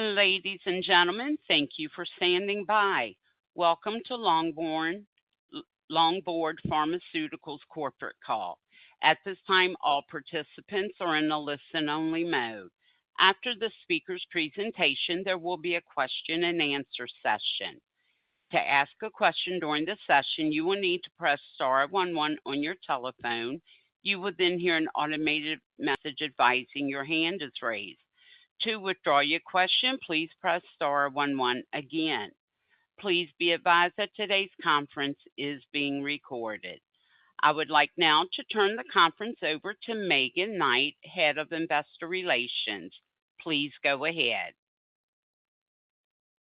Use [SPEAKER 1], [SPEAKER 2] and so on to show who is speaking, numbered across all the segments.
[SPEAKER 1] Ladies and gentlemen, thank you for standing by. Welcome to Longboard Pharmaceuticals corporate call. At this time, all participants are in a listen-only mode. After the speaker's presentation, there will be a question-and-answer session. To ask a question during the session, you will need to press star one one on your telephone. You will then hear an automated message advising your hand is raised. To withdraw your question, please press star one one again. Please be advised that today's conference is being recorded. I would like now to turn the conference over to Megan Knight, Head of Investor Relations. Please go ahead.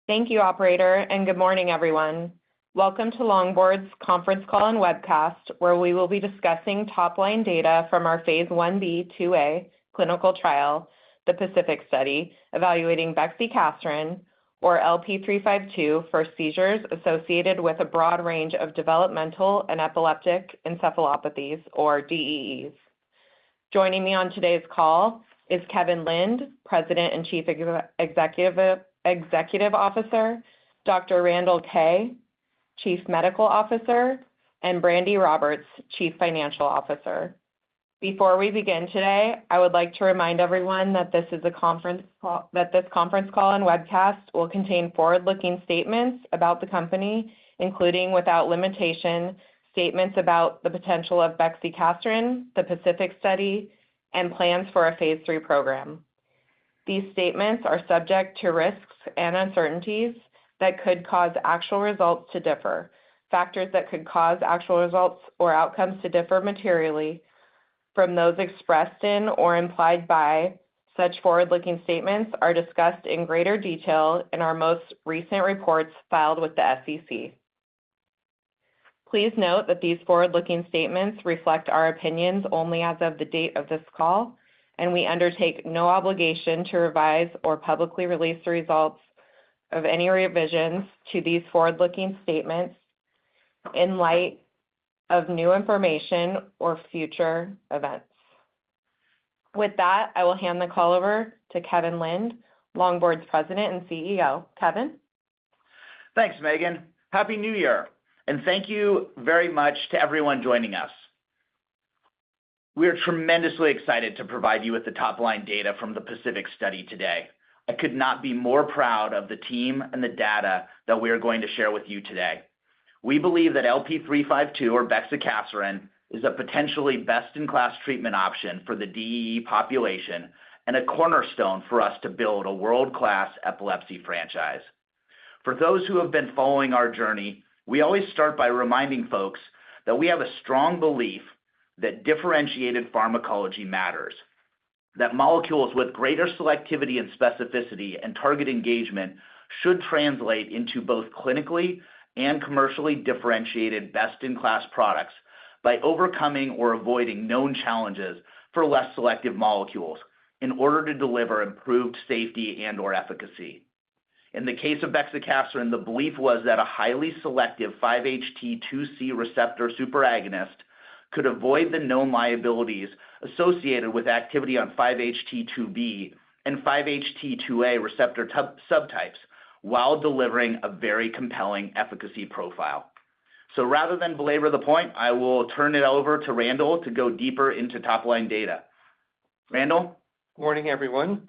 [SPEAKER 2] Thank you, operator, and good morning, everyone. Welcome to Longboard's conference call and webcast, where we will be discussing top-line data from our phase I-B/II-A clinical trial, the PACIFIC Study, evaluating bexicaserin, or LP352, for seizures associated with a broad range of developmental and epileptic encephalopathies, or DEEs. Joining me on today's call is Kevin Lind, President and Chief Executive Officer, Dr. Randall Kaye, Chief Medical Officer, and Brandi Roberts, Chief Financial Officer. Before we begin today, I would like to remind everyone that this conference call and webcast will contain forward-looking statements about the company, including, without limitation, statements about the potential of bexicaserin, the PACIFIC Study, and plans for a phase III program. These statements are subject to risks and uncertainties that could cause actual results to differ. Factors that could cause actual results or outcomes to differ materially from those expressed in or implied by such forward-looking statements are discussed in greater detail in our most recent reports filed with the SEC. Please note that these forward-looking statements reflect our opinions only as of the date of this call, and we undertake no obligation to revise or publicly release the results of any revisions to these forward-looking statements in light of new information or future events. With that, I will hand the call over to Kevin Lind, Longboard's President and CEO. Kevin?
[SPEAKER 3] Thanks, Megan. Happy New Year, and thank you very much to everyone joining us. We are tremendously excited to provide you with the top-line data from the PACIFIC Study today. I could not be more proud of the team and the data that we are going to share with you today. We believe that LP352, or bexicaserin, is a potentially best-in-class treatment option for the DEE population and a cornerstone for us to build a world-class epilepsy franchise. For those who have been following our journey, we always start by reminding folks that we have a strong belief that differentiated pharmacology matters, that molecules with greater selectivity and specificity and target engagement should translate into both clinically and commercially differentiated best-in-class products by overcoming or avoiding known challenges for less selective molecules in order to deliver improved safety and/or efficacy. In the case of bexicaserin, the belief was that a highly selective 5-HT2C receptor superagonist could avoid the known liabilities associated with activity on 5-HT2B and 5-HT2A receptor sub-subtypes, while delivering a very compelling efficacy profile. Rather than belabor the point, I will turn it over to Randall to go deeper into top-line data. Randall?
[SPEAKER 4] Good morning, everyone.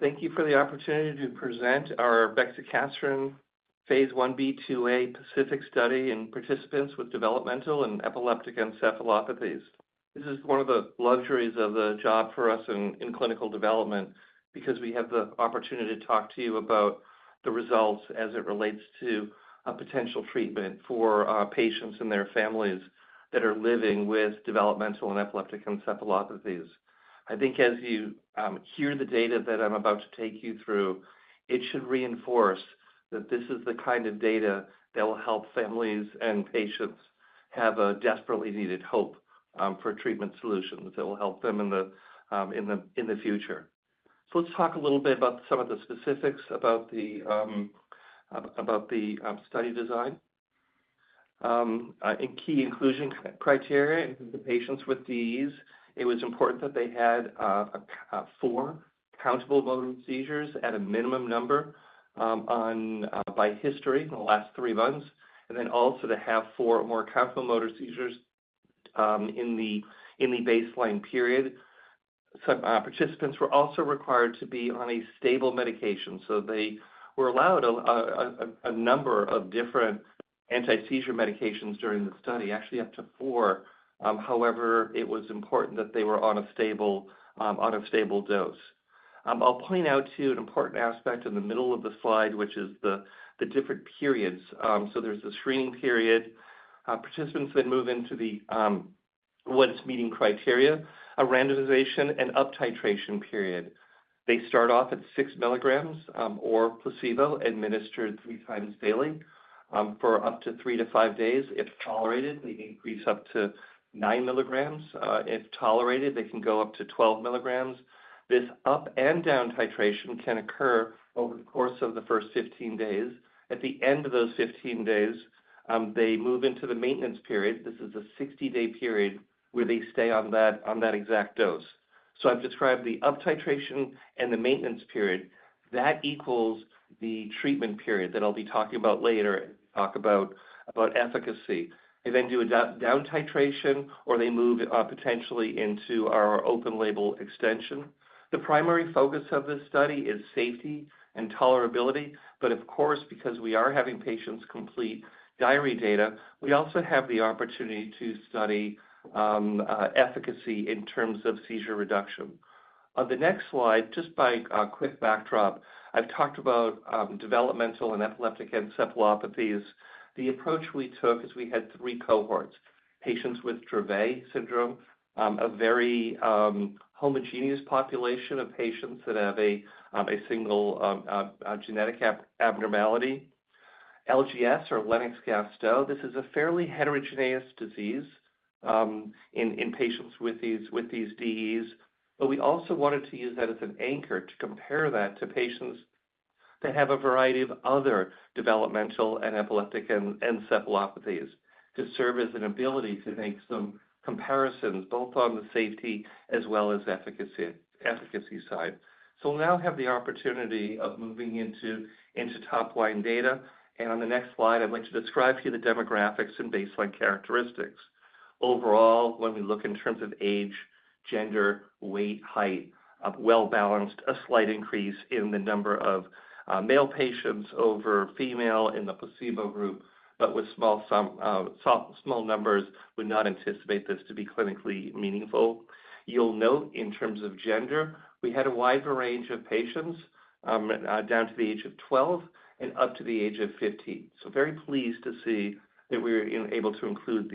[SPEAKER 4] Thank you for the opportunity to present our bexicaserin Phase I-B/II-A PACIFIC Study in participants with developmental and epileptic encephalopathies. This is one of the luxuries of the job for us in clinical development because we have the opportunity to talk to you about the results as it relates to a potential treatment for patients and their families that are living with developmental and epileptic encephalopathies. I think as you hear the data that I'm about to take you through, it should reinforce that this is the kind of data that will help families and patients have a desperately needed hope for treatment solutions that will help them in the future. So let's talk a little bit about some of the specifics about the study design. A key inclusion criteria, the patients with DEEs, it was important that they had four countable seizures at a minimum number, on by history in the last three months, and then also to have four or more countable motor seizures in the baseline period. Some participants were also required to be on a stable medication, so they were allowed a number of different anti-seizure medications during the study, actually up to four. However, it was important that they were on a stable dose. I'll point out too an important aspect in the middle of the slide, which is the different periods. So there's the screening period. Participants then move into the once meeting criteria, a randomization and uptitration period. They start off at 6 mg, or placebo, administered three times daily, for up to three to five days. If tolerated, they increase up to 9 mg. If tolerated, they can go up to 12 mg. This up and down titration can occur over the course of the first 15 days. At the end of those 15 days, they move into the maintenance period. This is a 60-day period where they stay on that exact dose. So I've described the up titration and the maintenance period. That equals the treatment period that I'll be talking about later about efficacy. They then do a down titration, or they move potentially into our open label extension. The primary focus of this study is safety and tolerability, but of course, because we are having patients complete diary data, we also have the opportunity to study efficacy in terms of seizure reduction. On the next slide, just a quick backdrop, I've talked about developmental and epileptic encephalopathies. The approach we took is we had three cohorts, patients with Dravet syndrome, a very homogeneous population of patients that have a single genetic abnormality. LGS or Lennox-Gastaut syndrome, this is a fairly heterogeneous disease in patients with these DEEs, but we also wanted to use that as an anchor to compare that to patients that have a variety of other developmental and epileptic encephalopathies, to serve as an ability to make some comparisons, both on the safety as well as efficacy side. We'll now have the opportunity of moving into top line data. On the next slide, I'd like to describe to you the demographics and baseline characteristics. Overall, when we look in terms of age, gender, weight, height, a well-balanced, a slight increase in the number of male patients over female in the placebo group, but with small sum, small numbers, would not anticipate this to be clinically meaningful. You'll note in terms of gender, we had a wider range of patients down to the age of 12 and up to the age of 15. Very pleased to see that we were able to include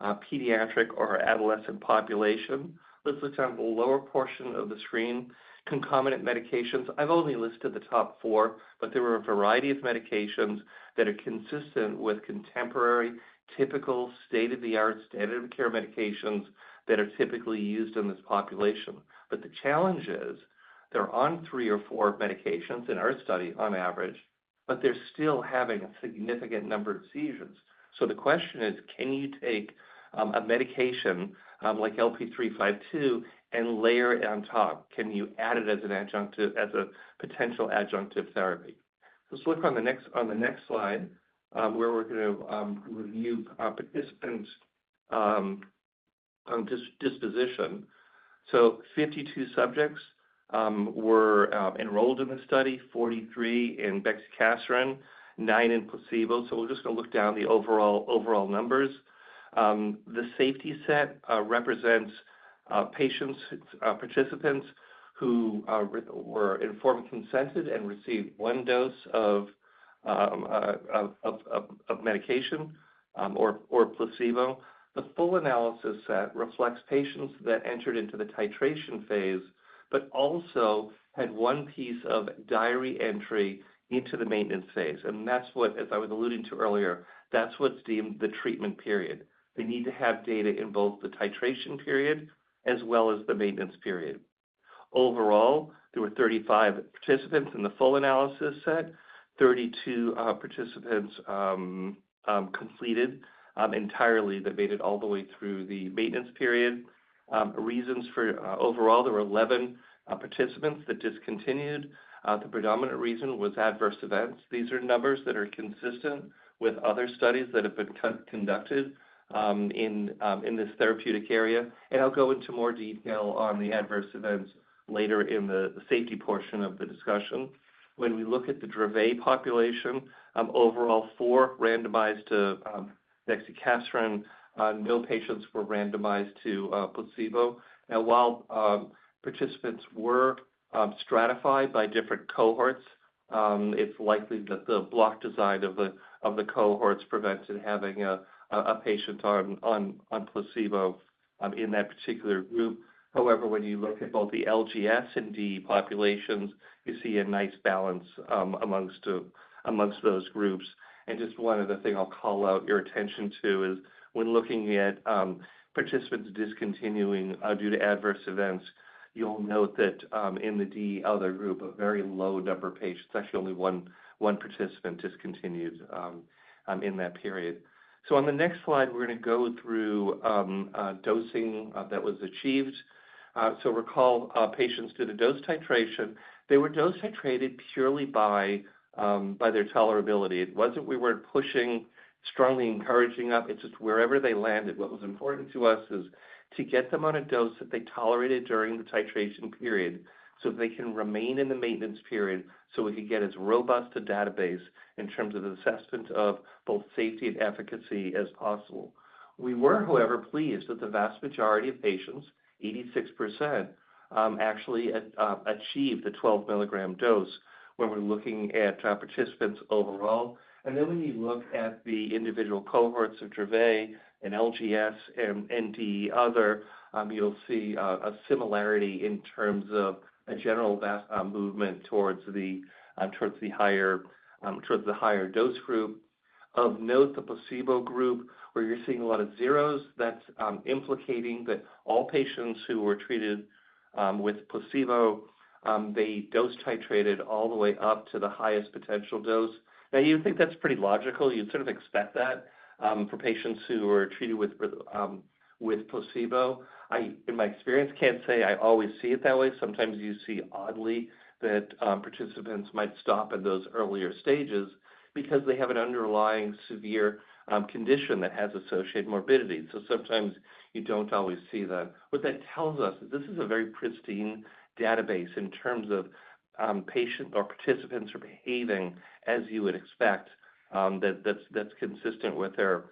[SPEAKER 4] the pediatric or adolescent population. Let's look down at the lower portion of the screen. Concomitant medications. I've only listed the top four, but there were a variety of medications that are consistent with contemporary, typical state-of-the-art, standard of care medications that are typically used in this population. But the challenge is, they're on three or four medications in our study, on average, but they're still having a significant number of seizures. So the question is, can you take a medication like LP352 and layer it on top? Can you add it as an adjunctive, as a potential adjunctive therapy? Let's look on the next, on the next slide, where we're going to review our participants' disposition. So 52 subjects were enrolled in the study, 43 in bexicaserin, nine in placebo. So we're just going to look down the overall, overall numbers. The safety set represents patients participants who were informed, consented, and received one dose of medication or placebo. The full analysis set reflects patients that entered into the titration phase, but also had one piece of diary entry into the maintenance phase. That's what, as I was alluding to earlier, that's what's deemed the treatment period. They need to have data in both the titration period as well as the maintenance period. Overall, there were 35 participants in the full analysis set. 32 participants completed entirely. They made it all the way through the maintenance period. Reasons for... Overall, there were 11 participants that discontinued. The predominant reason was adverse events. These are numbers that are consistent with other studies that have been conducted in this therapeutic area, and I'll go into more detail on the adverse events later in the safety portion of the discussion. When we look at the Dravet population, overall, four randomized to bexicaserin, no patients were randomized to placebo. And while participants were stratified by different cohorts, it's likely that the block design of the cohorts prevented having a patient on placebo in that particular group. However, when you look at both the LGS and DEE populations, you see a nice balance among those groups. Just one other thing I'll call out your attention to is when looking at participants discontinuing due to adverse events, you'll note that in the DEE Other group, a very low number of patients; it's actually only one participant discontinued in that period. On the next slide, we're going to go through dosing that was achieved. Recall, patients did a dose titration. They were dose titrated purely by their tolerability. It wasn't we weren't pushing, strongly encouraging up. It's just wherever they landed. What was important to us is to get them on a dose that they tolerated during the titration period, so they can remain in the maintenance period, so we could get as robust a database in terms of assessment of both safety and efficacy as possible. We were, however, pleased that the vast majority of patients, 86%, actually achieved the 12 mg dose when we're looking at participants overall. And then when you look at the individual cohorts of Dravet and LGS and DEE Other, you'll see a similarity in terms of a general movement towards the higher dose group. Of note, the placebo group, where you're seeing a lot of zeros, that's implicating that all patients who were treated with placebo. They dose titrated all the way up to the highest potential dose. Now, you'd think that's pretty logical. You'd sort of expect that for patients who are treated with placebo. I, in my experience, can't say I always see it that way. Sometimes you see oddly that participants might stop in those earlier stages because they have an underlying severe condition that has associated morbidity. So sometimes you don't always see that. What that tells us, this is a very pristine database in terms of patients or participants are behaving as you would expect. That's consistent with their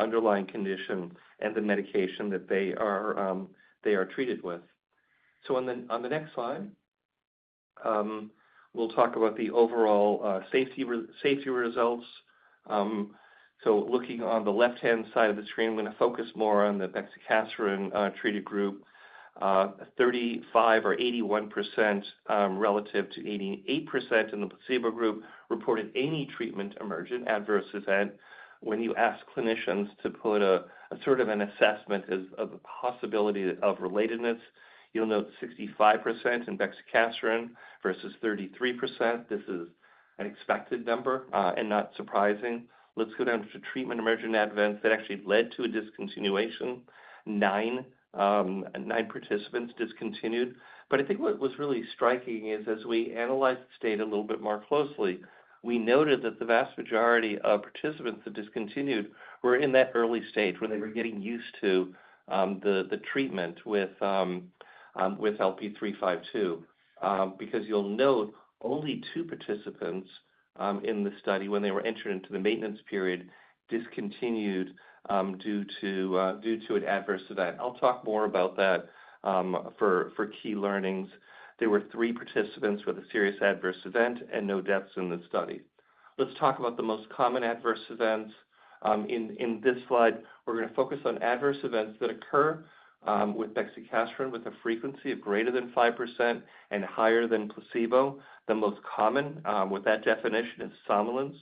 [SPEAKER 4] underlying condition and the medication that they are treated with. So on the next slide, we'll talk about the overall safety results. So looking on the left-hand side of the screen, I'm going to focus more on the bexicaserin treated group. 35, or 81% relative to 88% in the placebo group reported any treatment-emergent adverse event. When you ask clinicians to put a sort of an assessment of the possibility of relatedness, you'll note 65% in bexicaserin versus 33%. This is an expected number and not surprising. Let's go down to treatment-emergent events that actually led to a discontinuation. Nine participants discontinued. But I think what was really striking is, as we analyzed this data a little bit more closely, we noted that the vast majority of participants that discontinued were in that early stage, where they were getting used to the treatment with LP352. Because you'll note only 2 participants in the study, when they were entered into the maintenance period, discontinued due to an adverse event. I'll talk more about that for key learnings. There were three participants with a serious adverse event and no deaths in the study. Let's talk about the most common adverse events. In this slide, we're going to focus on adverse events that occur with bexicaserin with a frequency of greater than 5% and higher than placebo. The most common with that definition is somnolence,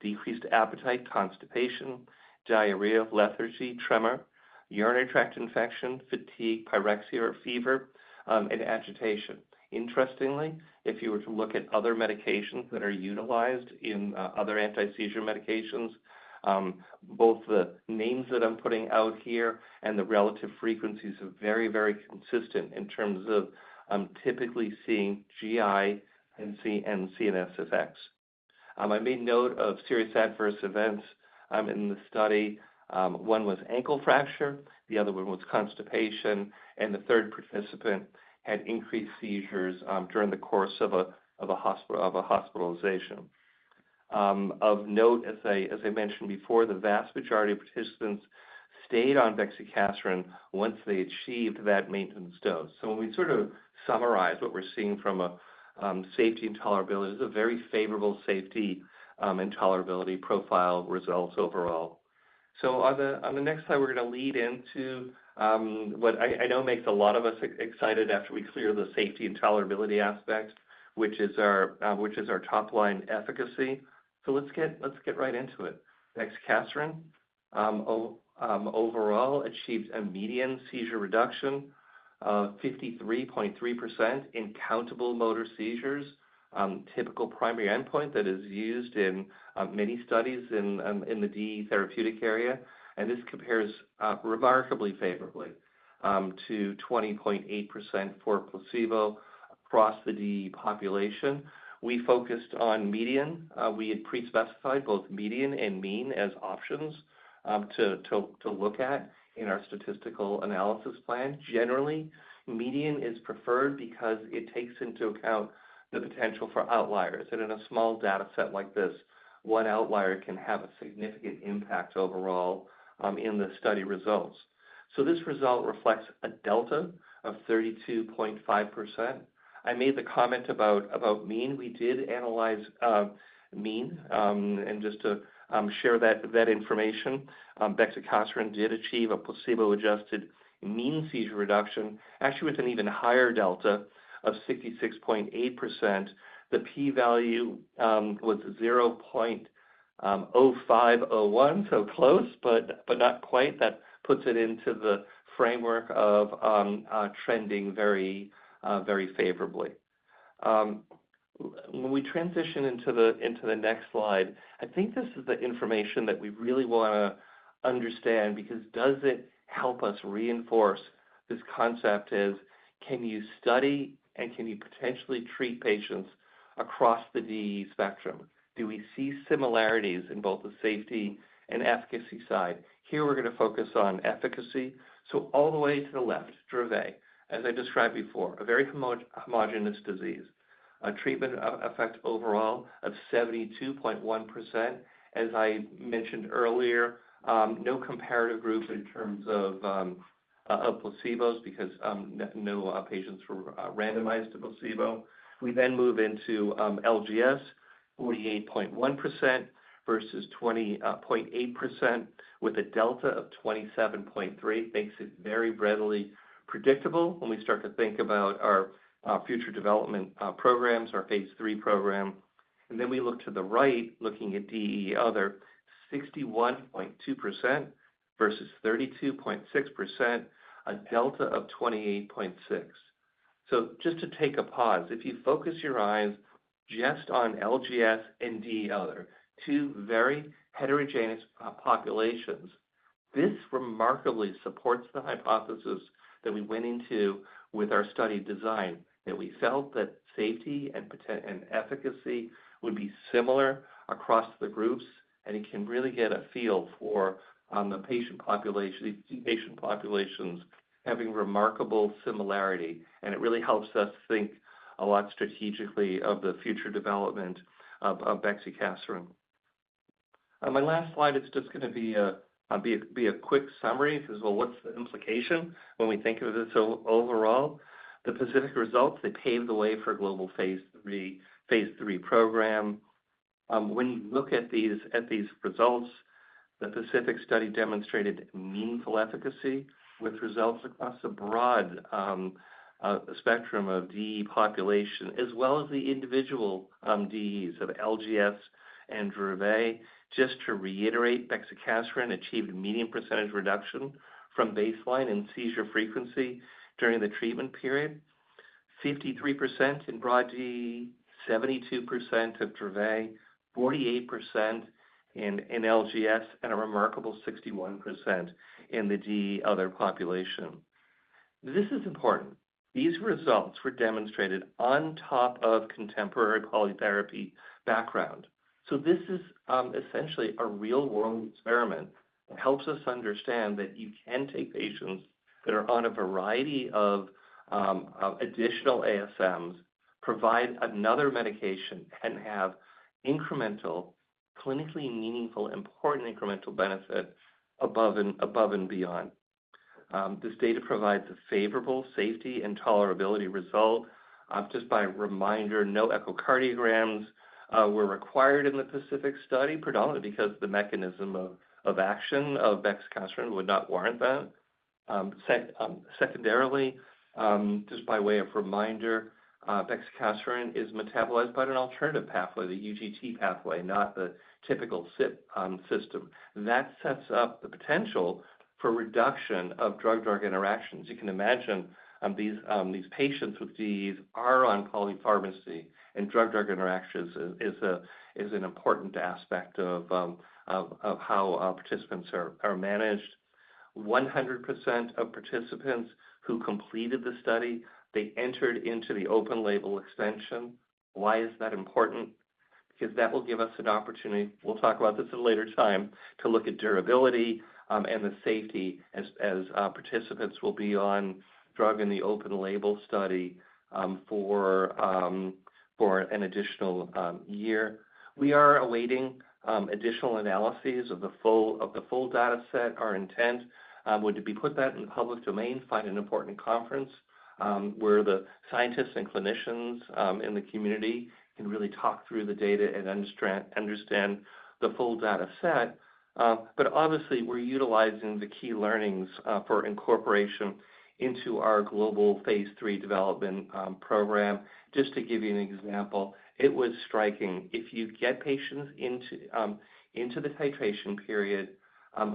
[SPEAKER 4] decreased appetite, constipation, diarrhea, lethargy, tremor, urinary tract infection, fatigue, pyrexia or fever, and agitation. Interestingly, if you were to look at other medications that are utilized in other anti-seizure medications, both the names that I'm putting out here and the relative frequencies are very, very consistent in terms of typically seeing GI and CNS effects. I made note of serious adverse events in the study. One was ankle fracture, the other one was constipation, and the third participant had increased seizures during the course of a hospitalization. Of note, as I mentioned before, the vast majority of participants stayed on bexicaserin once they achieved that maintenance dose. So when we sort of summarize what we're seeing from a safety and tolerability, this is a very favorable safety and tolerability profile results overall. So on the next slide, we're going to lead into what I know makes a lot of us excited after we clear the safety and tolerability aspect, which is our top-line efficacy. So let's get right into it. Bexicaserin overall achieved a median seizure reduction of 53.3% in countable motor seizures. Typical primary endpoint that is used in many studies in the DE therapeutic area. And this compares remarkably favorably to 20.8% for placebo across the DEE population. We focused on median. We had pre-specified both median and mean as options to look at in our statistical analysis plan. Generally, median is preferred because it takes into account the potential for outliers. And in a small dataset like this, one outlier can have a significant impact overall in the study results. So this result reflects a delta of 32.5%. I made the comment about mean. We did analyze mean and just to share that information, bexicaserin did achieve a placebo-adjusted mean seizure reduction, actually, with an even higher delta of 66.8%. The P value was 0.051, so close, but not quite. That puts it into the framework of trending very favorably. When we transition into the next slide, I think this is the information that we really want to understand, because does it help us reinforce this concept is: Can you study and can you potentially treat patients across the DEE spectrum? Do we see similarities in both the safety and efficacy side? Here, we're going to focus on efficacy. So all the way to the left, Dravet, as I described before, a very homogeneous disease, a treatment effect overall of 72.1%. As I mentioned earlier, no comparative group in terms of placebos because no patients were randomized to placebo. We then move into LGS, 48.1% versus 20.8% with a delta of 27.3. Makes it very readily predictable when we start to think about our future development programs, our phase III program. Then we look to the right, looking at DE Other, 61.2% versus 32.6%, a delta of 28.6. So just to take a pause, if you focus your eyes just on LGS and DE Other, two very heterogeneous populations, this remarkably supports the hypothesis that we went into with our study design, that we felt that safety and potential and efficacy would be similar across the groups, and you can really get a feel for the patient population, these patient populations having remarkable similarity. It really helps us think a lot strategically of the future development of bexicaserin. My last slide is just going to be a quick summary. It says, well, what's the implication when we think of this overall? The PACIFIC results, they paved the way for a global phase III program. When you look at these results, the PACIFIC study demonstrated meaningful efficacy with results across a broad spectrum of DEE population, as well as the individual DEEs of LGS and Dravet. Just to reiterate, bexicaserin achieved a median percentage reduction from baseline in seizure frequency during the treatment period, 53% in broad DEE, 72% in Dravet, 48% in LGS, and a remarkable 61% in the DEE Other population. This is important. These results were demonstrated on top of contemporary polytherapy background. So this is essentially a real-world experiment. It helps us understand that you can take patients that are on a variety of additional ASMs, provide another medication, and have incremental, clinically meaningful, important incremental benefit above and beyond. This data provides a favorable safety and tolerability result. Just by reminder, no echocardiograms were required in the PACIFIC Study, predominantly because the mechanism of action of bexicaserin would not warrant that. Secondarily, just by way of reminder, bexicaserin is metabolized by an alternative pathway, the UGT pathway, not the typical CYP system. That sets up the potential for reduction of drug-drug interactions. You can imagine these patients with DEE are on polypharmacy, and drug-drug interactions is an important aspect of how our participants are managed. 100% of participants who completed the study, they entered into the open-label extension. Why is that important? Because that will give us an opportunity, we'll talk about this at a later time, to look at durability, and the safety as participants will be on drug in the open-label study, for an additional year. We are awaiting additional analyses of the full, of the full data set. Our intent would be put that in the public domain, find an important conference, where the scientists and clinicians in the community can really talk through the data and understand the full data set. But obviously, we're utilizing the key learnings for incorporation into our global phase III development program. Just to give you an example, it was striking. If you get patients into the titration period,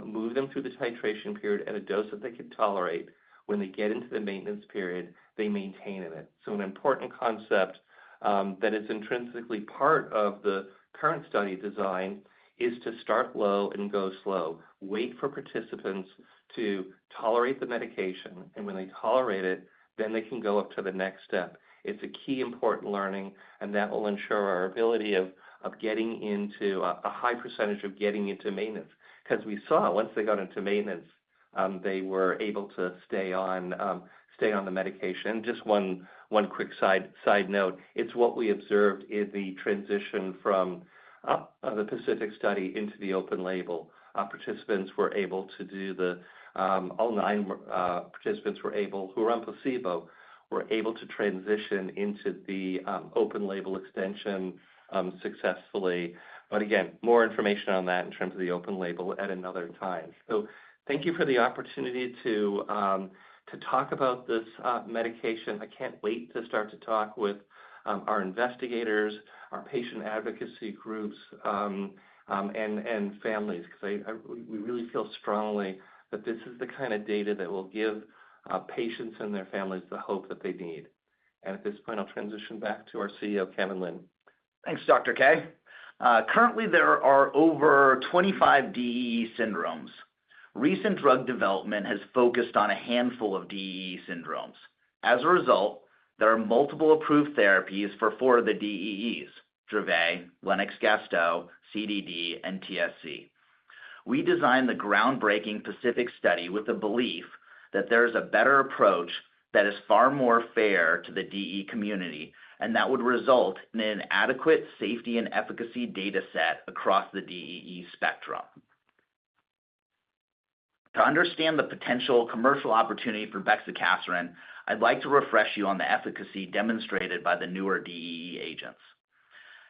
[SPEAKER 4] move them through this titration period at a dose that they can tolerate. When they get into the maintenance period, they maintain in it. So an important concept that is intrinsically part of the current study design is to start low and go slow. Wait for participants to tolerate the medication, and when they tolerate it, then they can go up to the next step. It's a key important learning, and that will ensure our ability of getting into a high percentage of getting into maintenance. Because we saw once they got into maintenance, they were able to stay on the medication. Just one quick side note. It's what we observed in the transition from the PACIFIC Study into the open label. All nine participants were able, who were on placebo, were able to transition into the open label extension successfully. But again, more information on that in terms of the open label at another time. So thank you for the opportunity to to talk about this medication. I can't wait to start to talk with our investigators, our patient advocacy groups, and, and families, because I, we, we really feel strongly that this is the kind of data that will give patients and their families the hope that they need. And at this point, I'll transition back to our CEO, Kevin Lind.
[SPEAKER 3] Thanks, Dr. Kaye. Currently, there are over 25 DEE syndromes. Recent drug development has focused on a handful of DEE syndromes. As a result, there are multiple approved therapies for four of the DEEs: Dravet, Lennox-Gastaut syndrome, CDD, and TSC. We designed the groundbreaking PACIFIC Study with the belief that there is a better approach that is far more fair to the DEE community, and that would result in an adequate safety and efficacy data set across the DEE spectrum. To understand the potential commercial opportunity for bexicaserin, I'd like to refresh you on the efficacy demonstrated by the newer DEE agents.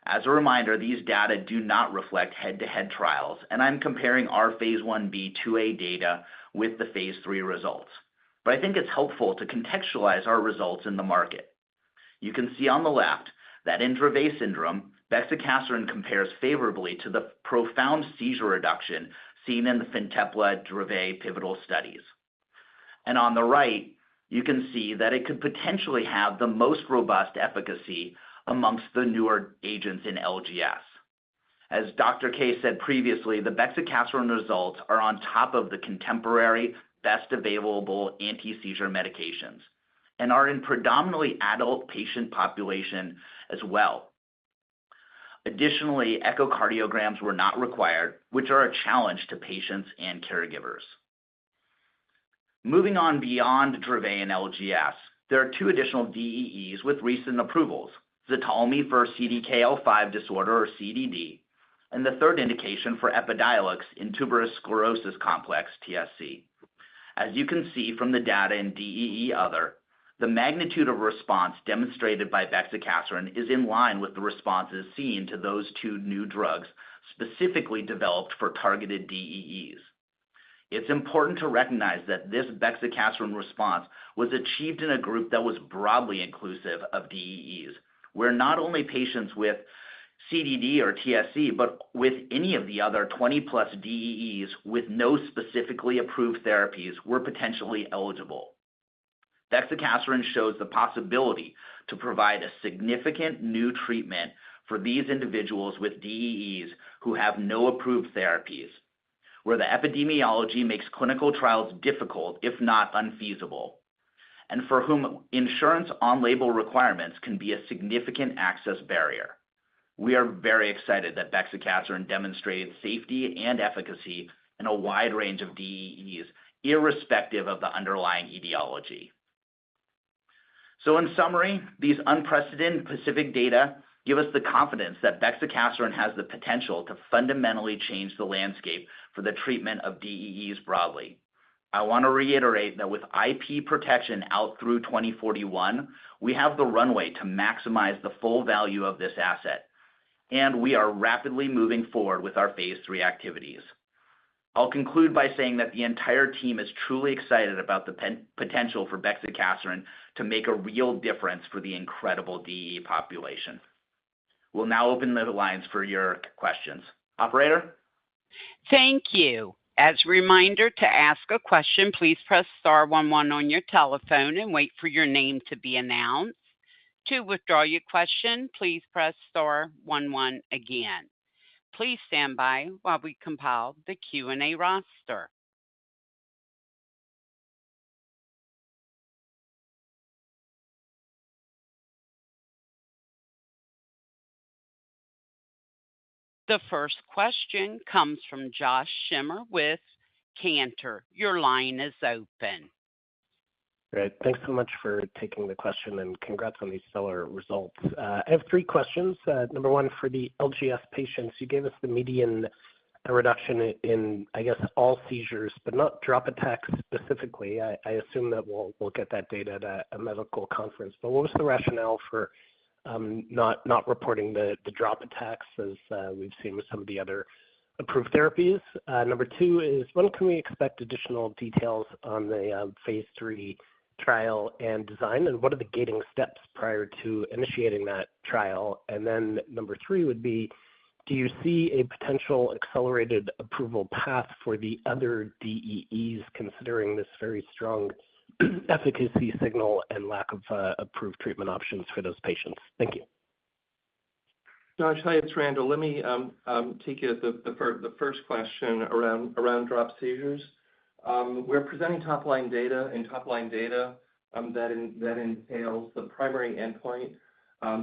[SPEAKER 3] As a reminder, these data do not reflect head-to-head trials, and I'm comparing our Phase I-B/II-A data with the Phase III results.... I think it's helpful to contextualize our results in the market. You can see on the left that in Dravet Syndrome, bexicaserin compares favorably to the profound seizure reduction seen in the Fintepla Dravet pivotal studies. And on the right, you can see that it could potentially have the most robust efficacy amongst the newer agents in LGS. As Dr. Kaye said previously, the bexicaserin results are on top of the contemporary, best-available anti-seizure medications and are in predominantly adult patient population as well. Additionally, echocardiograms were not required, which are a challenge to patients and caregivers. Moving on beyond Dravet and LGS, there are two additional DEEs with recent approvals: Ztalmy for CDKL5 disorder or CDD, and the third indication for Epidiolex in tuberous sclerosis complex, TSC. As you can see from the data in DEE-other, the magnitude of response demonstrated by bexicaserin is in line with the responses seen to those two new drugs specifically developed for targeted DEEs. It's important to recognize that this bexicaserin response was achieved in a group that was broadly inclusive of DEEs, where not only patients with CDD or TSC, but with any of the other 20+ DEEs with no specifically approved therapies, were potentially eligible. Bexicaserin shows the possibility to provide a significant new treatment for these individuals with DEEs who have no approved therapies, where the epidemiology makes clinical trials difficult, if not unfeasible, and for whom insurance on-label requirements can be a significant access barrier. We are very excited that bexicaserin demonstrated safety and efficacy in a wide range of DEEs, irrespective of the underlying etiology. So in summary, these unprecedented PACIFIC data give us the confidence that bexicaserin has the potential to fundamentally change the landscape for the treatment of DEEs broadly. I want to reiterate that with IP protection out through 2041, we have the runway to maximize the full value of this asset, and we are rapidly moving forward with our phase III activities. I'll conclude by saying that the entire team is truly excited about the potential for bexicaserin to make a real difference for the incredible DEE population. We'll now open the lines for your questions. Operator?
[SPEAKER 1] Thank you. As a reminder, to ask a question, please press star one, one on your telephone and wait for your name to be announced. To withdraw your question, please press star one, one again. Please stand by while we compile the Q&A roster. The first question comes from Josh Schimmer with Cantor. Your line is open.
[SPEAKER 5] Great. Thanks so much for taking the question, and congrats on these stellar results. I have three questions. Number one, for the LGS patients, you gave us the median, a reduction in, I guess, all seizures, but not drop attacks specifically. I assume that we'll get that data at a medical conference. But what was the rationale for not reporting the drop attacks as we've seen with some of the other approved therapies? Number two is, when can we expect additional details on the phase III trial and design? And what are the gating steps prior to initiating that trial? And then number three would be, do you see a potential accelerated approval path for the other DEEs, considering this very strong efficacy signal and lack of approved treatment options for those patients? Thank you.
[SPEAKER 4] Josh, hi, it's Randall. Let me take you the first question around drop seizures. We're presenting top-line data, and top-line data that entails the primary endpoint,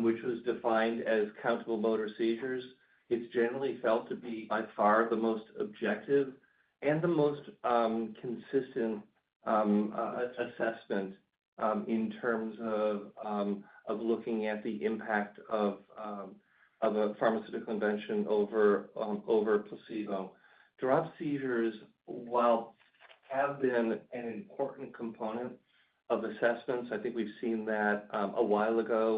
[SPEAKER 4] which was defined as countable motor seizures. It's generally felt to be by far the most objective and the most consistent assessment in terms of looking at the impact of a pharmaceutical intervention over a placebo. Drop seizures, while have been an important component of assessments, I think we've seen that a while ago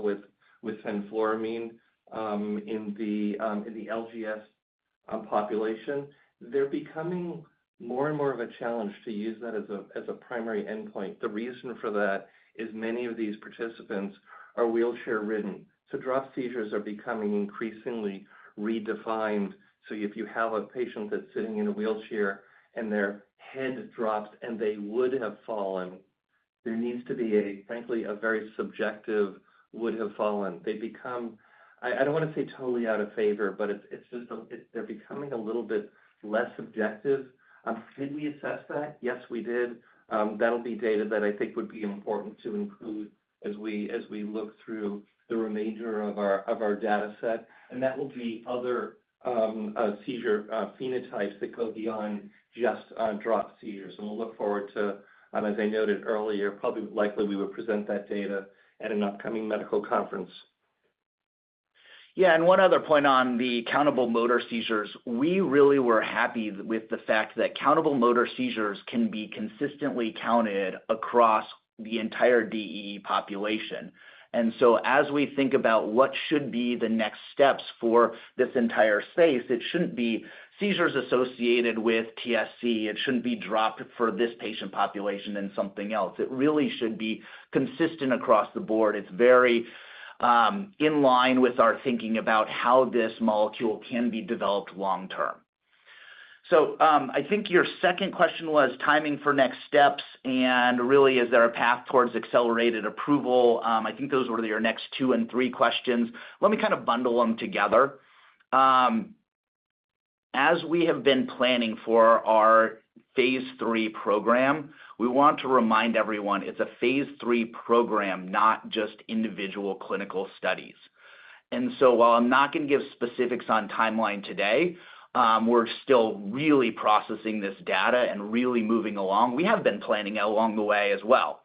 [SPEAKER 4] with fenfluramine in the LGS population. They're becoming more and more of a challenge to use that as a primary endpoint. The reason for that is many of these participants are wheelchair-ridden, so drop seizures are becoming increasingly redefined. So if you have a patient that's sitting in a wheelchair and their head drops, and they would have fallen, there needs to be a, frankly, a very subjective, "Would have fallen." They become... I don't want to say totally out of favor, but it's just, they're becoming a little bit less objective. Did we assess that? Yes, we did. That'll be data that I think would be important to include as we look through the remainder of our data set, and that will be other seizure phenotypes that go beyond just drop seizures. And we'll look forward to, as I noted earlier, probably likely we would present that data at an upcoming medical conference.
[SPEAKER 3] Yeah, and one other point on the countable motor seizures. We really were happy with the fact that countable motor seizures can be consistently counted across the entire DEE population. And so as we think about what should be the next steps for this entire space, it shouldn't be seizures associated with TSC, it shouldn't be dropped for this patient population than something else. It really should be consistent across the board. It's in line with our thinking about how this molecule can be developed long term. So, I think your second question was timing for next steps and really, is there a path towards accelerated approval? I think those were your next two and three questions. Let me kind of bundle them together. As we have been planning for our phase III program, we want to remind everyone it's a phase III program, not just individual clinical studies. So while I'm not going to give specifics on timeline today, we're still really processing this data and really moving along. We have been planning along the way as well.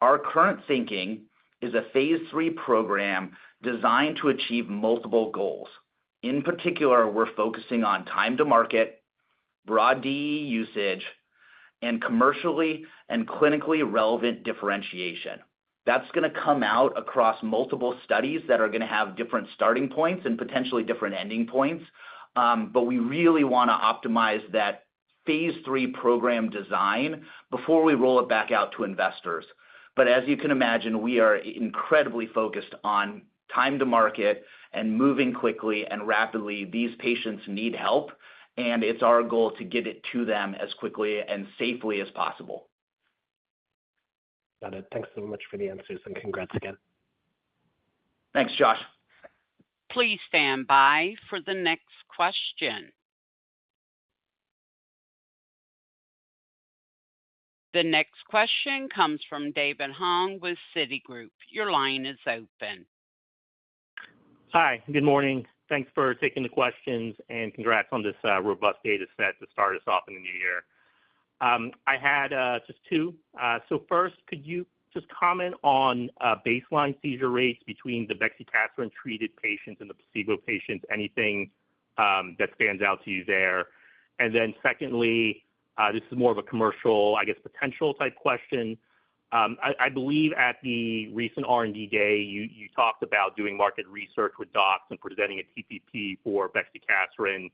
[SPEAKER 3] Our current thinking is a phase III program designed to achieve multiple goals. In particular, we're focusing on time to market, broad DEE usage, and commercially and clinically relevant differentiation. That's going to come out across multiple studies that are going to have different starting points and potentially different ending points. But we really want to optimize that phase III program design before we roll it back out to investors. But as you can imagine, we are incredibly focused on time to market and moving quickly and rapidly. These patients need help, and it's our goal to get it to them as quickly and safely as possible.
[SPEAKER 5] Got it. Thanks so much for the answers, and congrats again.
[SPEAKER 3] Thanks, Josh.
[SPEAKER 1] Please stand by for the next question. The next question comes from David Hoang with Citigroup. Your line is open.
[SPEAKER 6] Hi, good morning. Thanks for taking the questions, and congrats on this robust data set to start us off in the new year. I had just two. So first, could you just comment on baseline seizure rates between the bexicaserin treated patients and the placebo patients? Anything that stands out to you there? And then secondly, this is more of a commercial, I guess, potential type question. I believe at the recent R&D day, you talked about doing market research with docs and presenting a TPP for bexicaserin.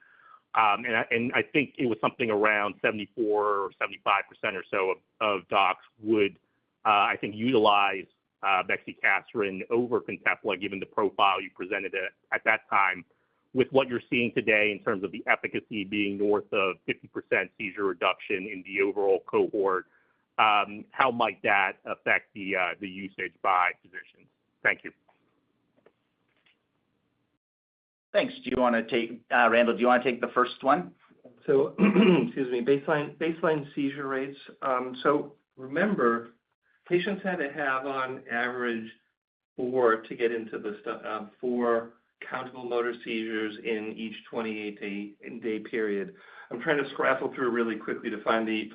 [SPEAKER 6] And I think it was something around 74% or 75% or so of docs would, I think, utilize bexicaserin over Fintepla, given the profile you presented at that time. With what you're seeing today in terms of the efficacy being north of 50% seizure reduction in the overall cohort, how might that affect the usage by physicians? Thank you.
[SPEAKER 3] Thanks. Do you want to take, Randall, do you want to take the first one?
[SPEAKER 4] So, excuse me, baseline seizure rates. Remember, patients had to have on average four to get into the study four countable motor seizures in each 28-day period. I'm trying to scramble through really quickly to find the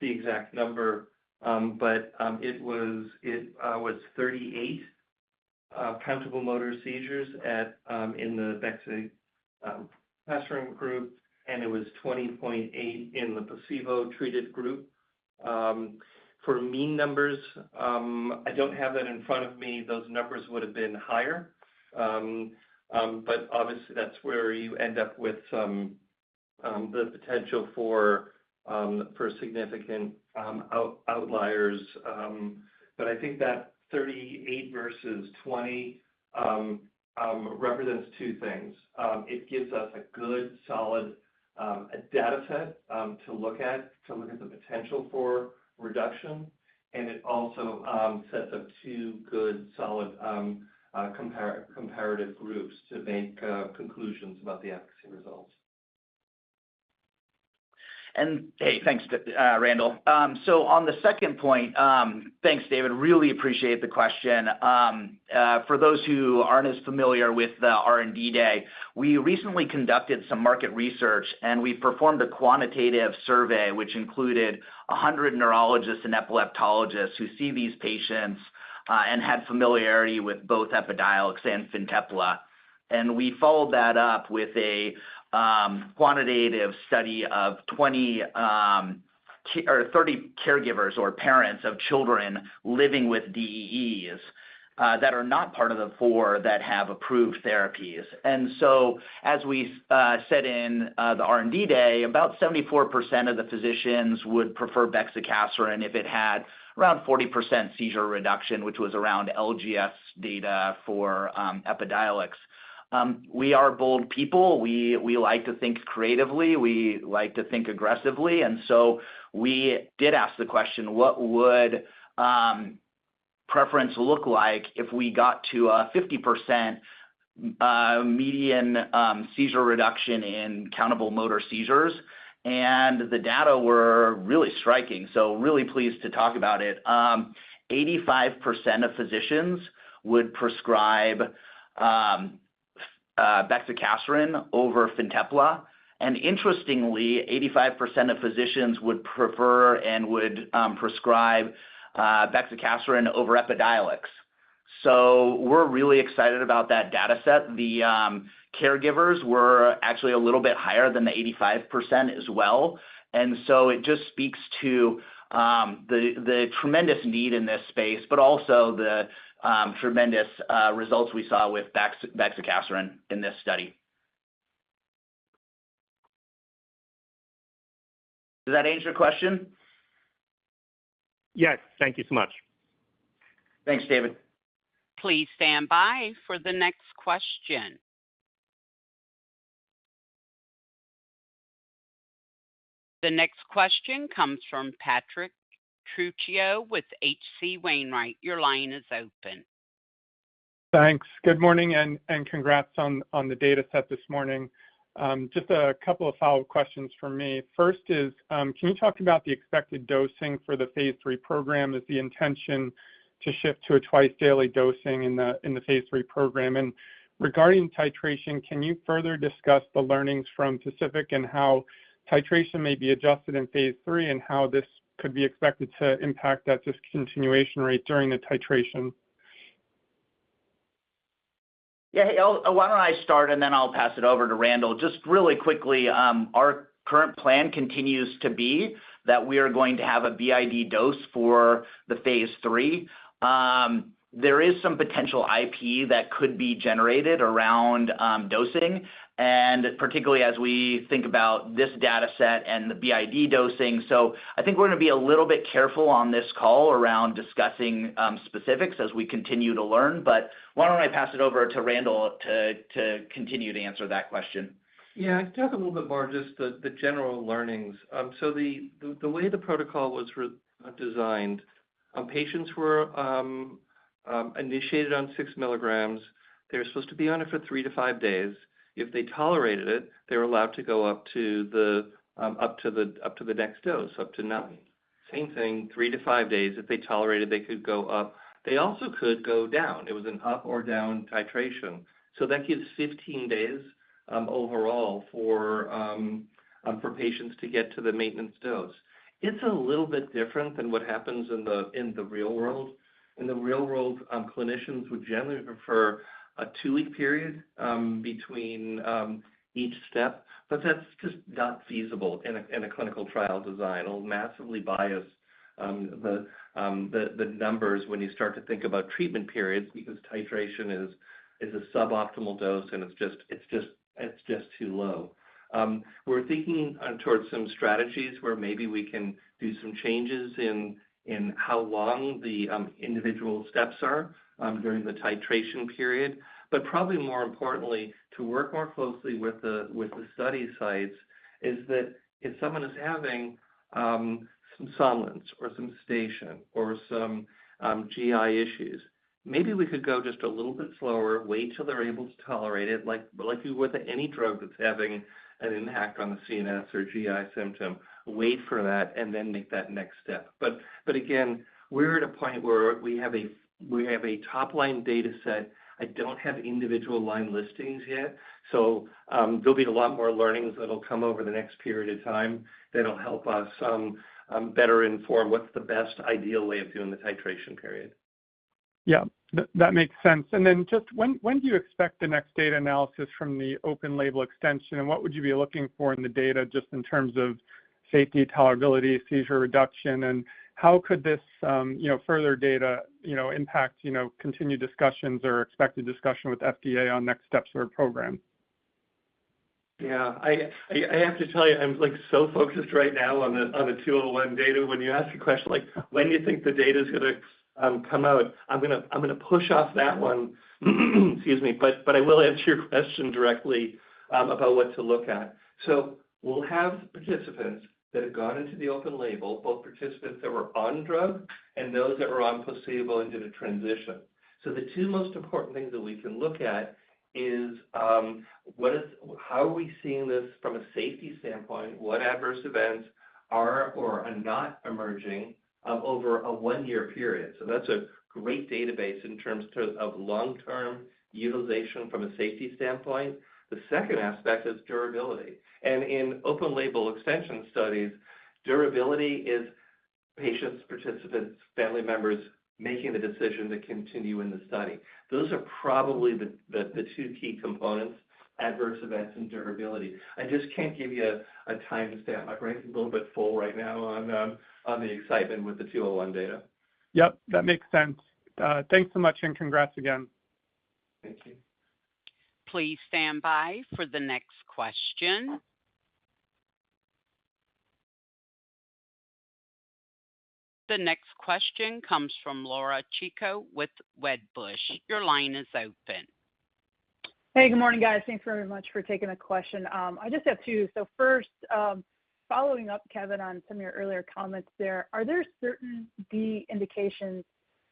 [SPEAKER 4] exact number, but it was 38 countable motor seizures in the bexicaserin group, and it was 20.8 in the placebo-treated group. For mean numbers, I don't have that in front of me. Those numbers would have been higher. Obviously, that's where you end up with some the potential for significant outliers. I think that 38 versus 20 represents two things. It gives us a good, solid data set to look at the potential for reduction, and it also sets up two good, solid comparative groups to make conclusions about the efficacy results.
[SPEAKER 3] And hey, thanks to, Randall. So on the second point, thanks, David. Really appreciate the question. For those who aren't as familiar with the R&D Day, we recently conducted some market research, and we performed a quantitative survey, which included 100 neurologists and epileptologists who see these patients, and had familiarity with both Epidiolex and Fintepla. And we followed that up with a quantitative study of 20 or 30 caregivers or parents of children living with DEEs, that are not part of the four that have approved therapies. And so, as we said in the R&D Day, about 74% of the physicians would prefer bexicaserin if it had around 40% seizure reduction, which was around LGS data for Epidiolex. We are bold people. We like to think creatively, we like to think aggressively, and so we did ask the question: What would preference look like if we got to a 50% median seizure reduction in countable motor seizures? And the data were really striking, so really pleased to talk about it. 85% of physicians would prescribe bexicaserin over Fintepla, and interestingly, 85% of physicians would prefer and would prescribe bexicaserin over Epidiolex. So we're really excited about that data set. The caregivers were actually a little bit higher than the 85% as well. And so it just speaks to the tremendous need in this space, but also the tremendous results we saw with bexicaserin in this study. Does that answer your question?
[SPEAKER 6] Yes. Thank you so much.
[SPEAKER 3] Thanks, David.
[SPEAKER 1] Please stand by for the next question. The next question comes from Patrick Trucchio with H.C. Wainwright. Your line is open.
[SPEAKER 7] Thanks. Good morning, and congrats on the data set this morning. Just a couple of follow-up questions from me. First is, can you talk about the expected dosing for the Phase III program? Is the intention to shift to a twice-daily dosing in the Phase III program? And regarding titration, can you further discuss the learnings from PACIFIC and how titration may be adjusted in Phase III, and how this could be expected to impact that discontinuation rate during the titration?
[SPEAKER 3] Yeah, hey, I'll why don't I start, and then I'll pass it over to Randall. Just really quickly, our current plan continues to be that we are going to have a BID dose for the phase III. There is some potential IP that could be generated around dosing, and particularly as we think about this data set and the BID dosing. So I think we're going to be a little bit careful on this call around discussing specifics as we continue to learn. But why don't I pass it over to Randall to continue to answer that question?
[SPEAKER 4] Yeah. I'd talk a little bit more just the general learnings. So the way the protocol was redesigned, patients were initiated on 6mg. They were supposed to be on it for 3-5 days. If they tolerated it, they were allowed to go up to the next dose, up to 9. Same thing, 3-5 days. If they tolerated, they could go up. They also could go down. It was an up or down titration, so that gives 15 days overall for patients to get to the maintenance dose. It's a little bit different than what happens in the real world. In the real world, clinicians would generally prefer a two-week period between each step, but that's just not feasible in a clinical trial design. It'll massively bias the numbers when you start to think about treatment periods, because titration is a suboptimal dose, and it's just too low. We're thinking towards some strategies where maybe we can do some changes in how long the individual steps are during the titration period. But probably more importantly, to work more closely with the study sites, is that if someone is having some somnolence or some sedation or some GI issues, maybe we could go just a little bit slower, wait till they're able to tolerate it, like you would with any drug that's having an impact on the CNS or GI symptom, wait for that, and then make that next step. But again, we're at a point where we have a top-line data set. I don't have individual line listings yet, so there'll be a lot more learnings that'll come over the next period of time that'll help us better inform what's the best ideal way of doing the titration period.
[SPEAKER 7] Yeah, that makes sense. And then just when do you expect the next data analysis from the open label extension, and what would you be looking for in the data just in terms of safety, tolerability, seizure reduction? And how could this, you know, further data impact continued discussions or expected discussion with FDA on next steps for the program?
[SPEAKER 4] Yeah. I have to tell you, I'm like so focused right now on the 201 data. When you ask a question like, "When do you think the data's gonna come out?" I'm gonna push off that one. Excuse me, but I will answer your question directly about what to look at. So we'll have participants that have gone into the open label, both participants that were on drug and those that were on placebo and did a transition. So the two most important things that we can look at is, what is, how are we seeing this from a safety standpoint? What adverse events are or are not emerging over a one-year period? So that's a great database in terms of long-term utilization from a safety standpoint. The second aspect is durability. In open label extension studies, durability is patients, participants, family members, making the decision to continue in the study. Those are probably the two key components: adverse events and durability. I just can't give you a time to stay. My brain's a little bit full right now on the excitement with the 201 data.
[SPEAKER 7] Yep, that makes sense. Thanks so much, and congrats again.
[SPEAKER 4] Thank you.
[SPEAKER 1] Please stand by for the next question. The next question comes from Laura Chico with Wedbush. Your line is open.
[SPEAKER 8] Hey, good morning, guys. Thanks very much for taking the question. I just have two. So first, following up, Kevin, on some of your earlier comments there, are there certain DEE indications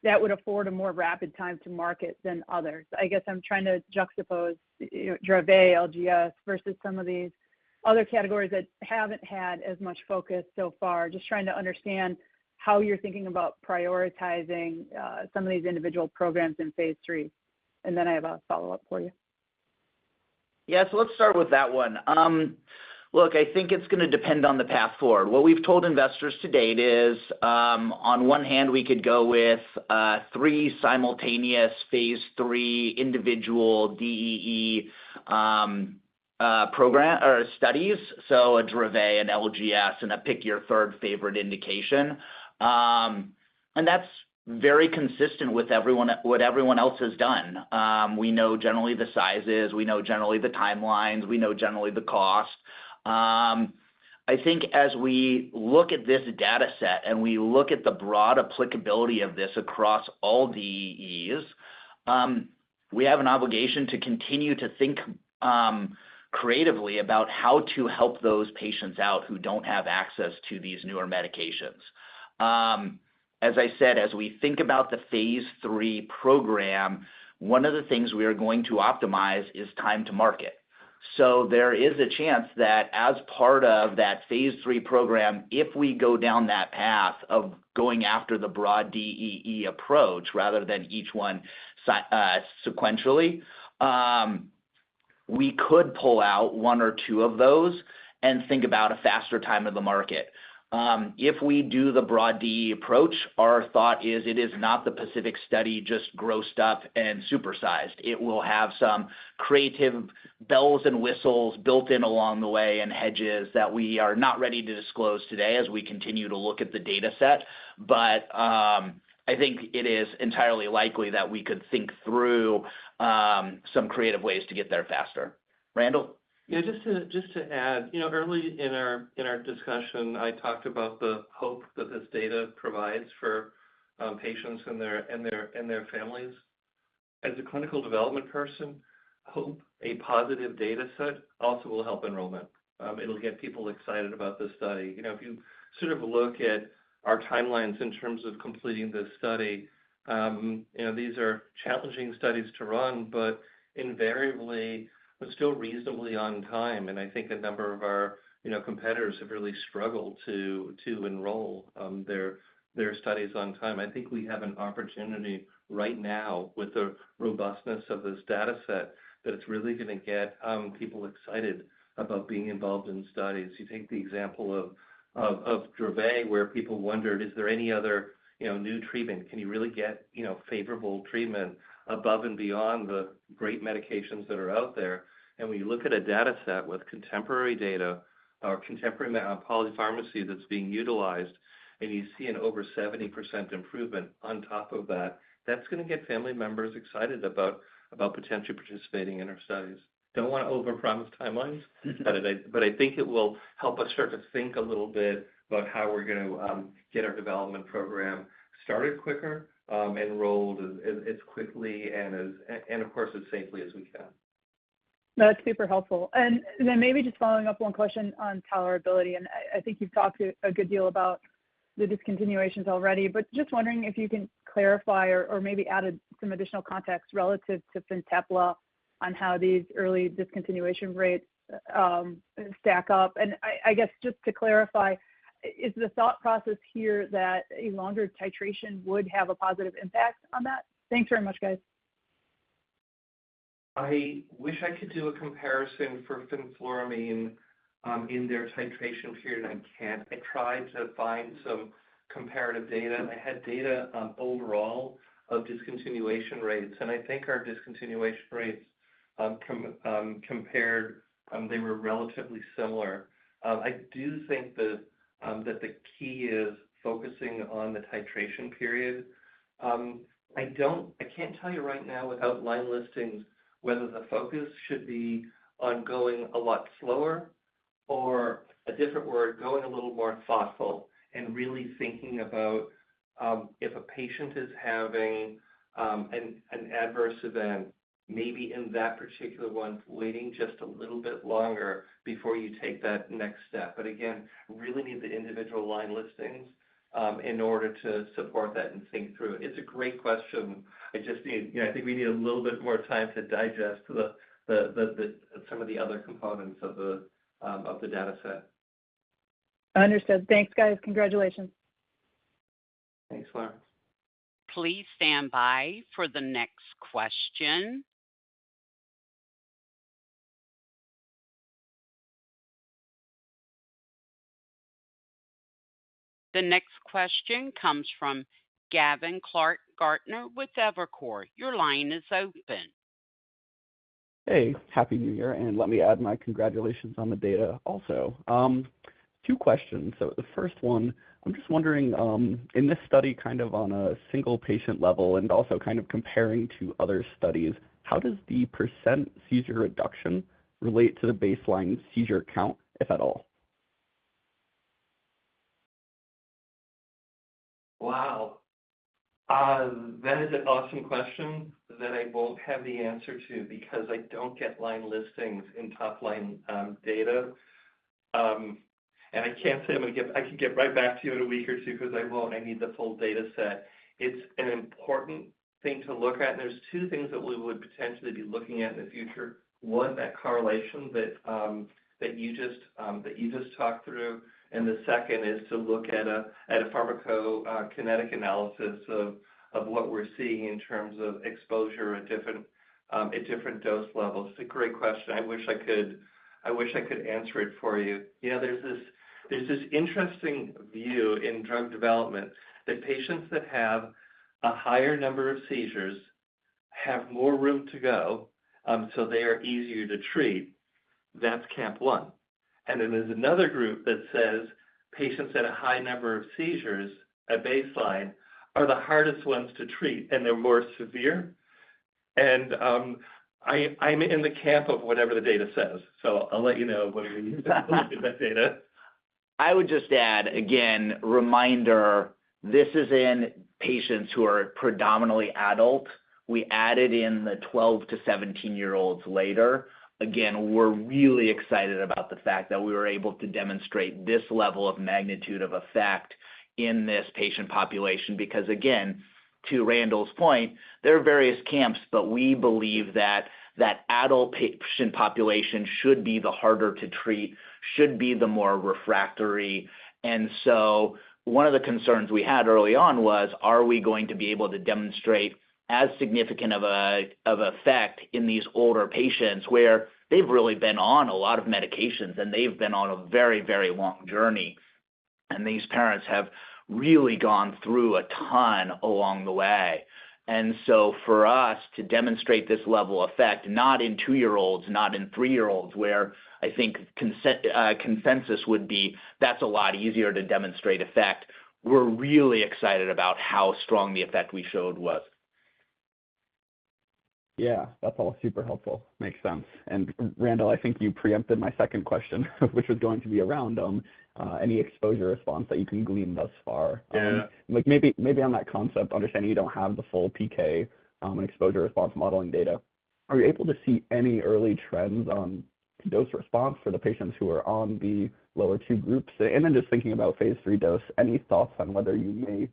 [SPEAKER 8] that would afford a more rapid time to market than others? I guess I'm trying to juxtapose, you know, Dravet, LGS, versus some of these other categories that haven't had as much focus so far. Just trying to understand how you're thinking about prioritizing some of these individual programs in phase III. And then I have a follow-up for you.
[SPEAKER 3] Yeah, so let's start with that one. Look, I think it's going to depend on the path forward. What we've told investors to date is, on one hand, we could go with, 3 simultaneous phase III individual DEE, program or studies, so a Dravet, an LGS, and a pick your third favorite indication. And that's very consistent with everyone, what everyone else has done. We know generally the sizes, we know generally the timelines, we know generally the cost. I think as we look at this data set and we look at the broad applicability of this across all DEEs, we have an obligation to continue to think, creatively about how to help those patients out who don't have access to these newer medications. As I said, as we think about the phase III program, one of the things we are going to optimize is time to market. So there is a chance that as part of that phase III program, if we go down that path of going after the broad DEE approach rather than each one sequentially, we could pull out one or two of those and think about a faster time to the market. If we do the broad DEE approach, our thought is, it is not the PACIFIC Study just grossed up and supersized. It will have some creative bells and whistles built in along the way, and hedges that we are not ready to disclose today as we continue to look at the data set. I think it is entirely likely that we could think through some creative ways to get there faster. Randall?
[SPEAKER 4] Yeah, just to add, you know, early in our discussion, I talked about the hope that this data provides for patients and their families. As a clinical development person, hope a positive data set also will help enrollment. It'll get people excited about this study. You know, if you sort of look at our timelines in terms of completing this study, you know, these are challenging studies to run, but invariably, we're still reasonably on time, and I think a number of our, you know, competitors have really struggled to enroll their studies on time. I think we have an opportunity right now, with the robustness of this data set, that it's really going to get people excited about being involved in studies. You take the example of Dravet, where people wondered, is there any other, you know, new treatment? Can you really get, you know, favorable treatment above and beyond the great medications that are out there? And when you look at a data set with contemporary data or contemporary polypharmacy that's being utilized, and you see an over 70% improvement on top of that, that's going to get family members excited about potentially participating in our studies. Don't want to overpromise timelines, but I think it will help us start to think a little bit about how we're going to get our development program started quicker, enrolled as quickly and, of course, as safely as we can.
[SPEAKER 8] No, it's super helpful. And then maybe just following up one question on tolerability, and I think you've talked a good deal about the discontinuations already, but just wondering if you can clarify or maybe add some additional context relative to Fintepla on how these early discontinuation rates stack up. And I guess, just to clarify, is the thought process here that a longer titration would have a positive impact on that? Thanks very much, guys.
[SPEAKER 4] I wish I could do a comparison for fenfluramine in their titration period, and I can't. I tried to find some comparative data. I had data on overall of discontinuation rates, and I think our discontinuation rates compared they were relatively similar. I do think that the key is focusing on the titration period. I don't - I can't tell you right now without line listings whether the focus should be on going a lot slower or a different word, going a little more thoughtful and really thinking about if a patient is having an adverse event, maybe in that particular one, waiting just a little bit longer before you take that next step. But again, really need the individual line listings in order to support that and think through. It's a great question. I just need, you know, I think we need a little bit more time to digest some of the other components of the data set.
[SPEAKER 8] Understood. Thanks, guys. Congratulations.
[SPEAKER 4] Thanks, Lauren.
[SPEAKER 1] Please stand by for the next question. The next question comes from Gavin Clark-Gartner with Evercore. Your line is open.
[SPEAKER 9] Hey, Happy New Year, and let me add my congratulations on the data also. Two questions. So the first one, I'm just wondering, in this study, kind of on a single patient level and also kind of comparing to other studies, how does the percent seizure reduction relate to the baseline seizure count, if at all?
[SPEAKER 4] Wow! That is an awesome question that I won't have the answer to because I don't get line listings in top-line data. And I can't say I'm going to get—I can get right back to you in a week or two because I won't. I need the full data set. It's an important thing to look at, and there's two things that we would potentially be looking at in the future. One, that correlation that, that you just, that you just talked through, and the second is to look at a pharmacokinetic analysis of what we're seeing in terms of exposure at different, at different dose levels. It's a great question. I wish I could—I wish I could answer it for you. You know, there's this, there's this interesting view in drug development that patients that have-... A higher number of seizures have more room to go, so they are easier to treat, that's camp one. Then there's another group that says patients at a high number of seizures at baseline are the hardest ones to treat, and they're more severe. I'm in the camp of whatever the data says, so I'll let you know when we look at that data.
[SPEAKER 3] I would just add, again, reminder, this is in patients who are predominantly adult. We added in the 12- to 17-year-olds later. Again, we're really excited about the fact that we were able to demonstrate this level of magnitude of effect in this patient population, because, again, to Randall's point, there are various camps, but we believe that that adult patient population should be the harder to treat, should be the more refractory. And so one of the concerns we had early on was: Are we going to be able to demonstrate as significant of a, of effect in these older patients, where they've really been on a lot of medications, and they've been on a very, very long journey, and these parents have really gone through a ton along the way? And so for us to demonstrate this level of effect, not in two-year-olds, not in three-year-olds, where I think consensus would be, that's a lot easier to demonstrate effect. We're really excited about how strong the effect we showed was.
[SPEAKER 9] Yeah, that's all super helpful. Makes sense. And, Randall, I think you preempted my second question, which was going to be around any exposure response that you can glean thus far.
[SPEAKER 4] Yeah.
[SPEAKER 9] Like, maybe, maybe on that concept, understanding you don't have the full PK, exposure response modeling data, are you able to see any early trends on dose response for the patients who are on the lower two groups? And then just thinking about phase III dose, any thoughts on whether you may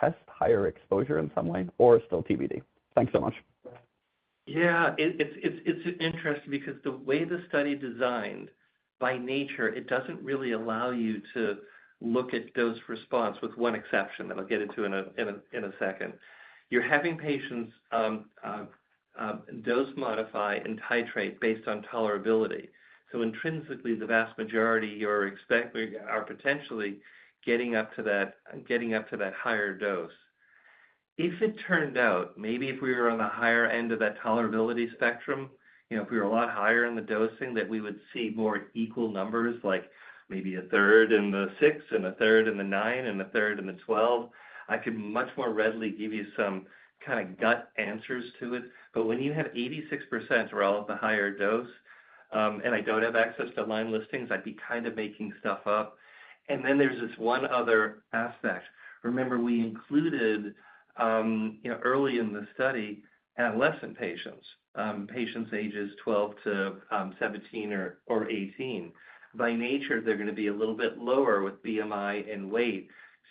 [SPEAKER 9] test higher exposure in some way or still TBD? Thanks so much.
[SPEAKER 4] Yeah, it's interesting because the way the study designed, by nature, it doesn't really allow you to look at dose response, with one exception that I'll get into in a second. You're having patients dose modify and titrate based on tolerability. So intrinsically, the vast majority you're expecting are potentially getting up to that, getting up to that higher dose. If it turned out, maybe if we were on the higher end of that tolerability spectrum, you know, if we were a lot higher in the dosing, that we would see more equal numbers, like maybe a third in the 6 and a third in the 9 and a third in the 12, I could much more readily give you some kind of gut answers to it. But when you have 86% are all at the higher dose, and I don't have access to line listings, I'd be kind of making stuff up. And then there's this one other aspect. Remember, we included early in the study, adolescent patients, patients ages 12 to 17 or 18. By nature, they're going to be a little bit lower with BMI and weight.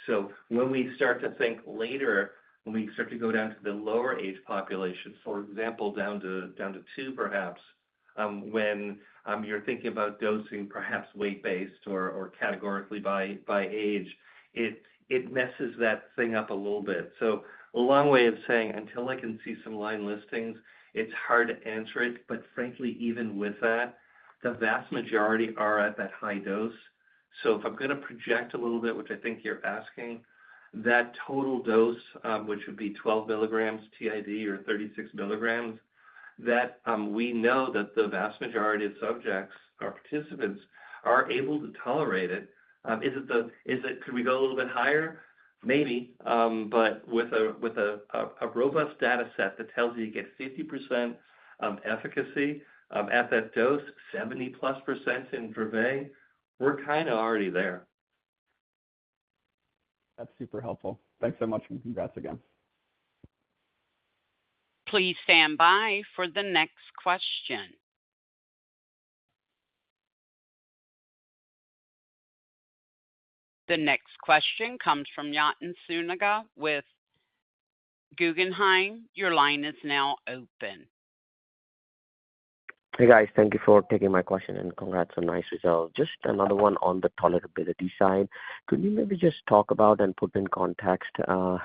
[SPEAKER 4] So when we start to think later, when we start to go down to the lower age population, for example, down to two, perhaps, when you're thinking about dosing, perhaps weight-based or categorically by age, it messes that thing up a little bit. So a long way of saying, until I can see some line listings, it's hard to answer it. But frankly, even with that, the vast majority are at that high dose. So if I'm going to project a little bit, which I think you're asking, that total dose, which would be 12 mg TID or 36mg, that we know that the vast majority of subjects or participants are able to tolerate it. Is it? Could we go a little bit higher? Maybe, but with a robust data set that tells you you get 50% efficacy at that dose, 70%+ in Dravet, we're kind of already there.
[SPEAKER 9] That's super helpful. Thanks so much, and congrats again.
[SPEAKER 1] Please stand by for the next question. The next question comes from Yatin Suneja with Guggenheim. Your line is now open.
[SPEAKER 10] Hey, guys. Thank you for taking my question, and congrats on nice results. Just another one on the tolerability side. Could you maybe just talk about and put in context the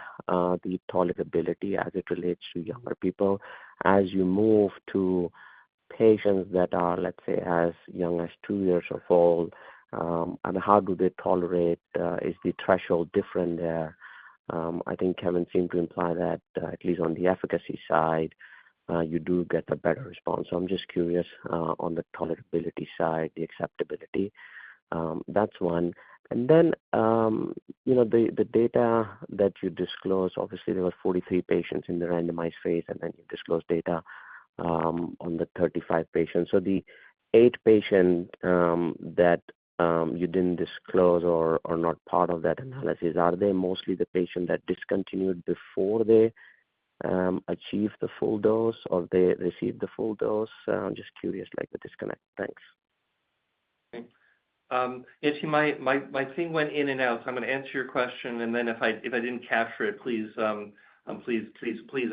[SPEAKER 10] tolerability as it relates to younger people? As you move to patients that are, let's say, as young as two years old, and how do they tolerate, is the threshold different there? I think Kevin seemed to imply that, at least on the efficacy side, you do get a better response. So I'm just curious, on the tolerability side, the acceptability. That's one. And then, you know, the data that you disclose, obviously, there were 43 patients in the randomized phase, and then you disclose data on the 35 patients. So the 8 patients that you didn't disclose or are not part of that analysis, are they mostly the patients that discontinued before they achieved the full dose or they received the full dose? I'm just curious, like, the disconnect. Thanks.
[SPEAKER 4] Thanks. Yatin, my thing went in and out, so I'm going to answer your question, and then if I didn't capture it, please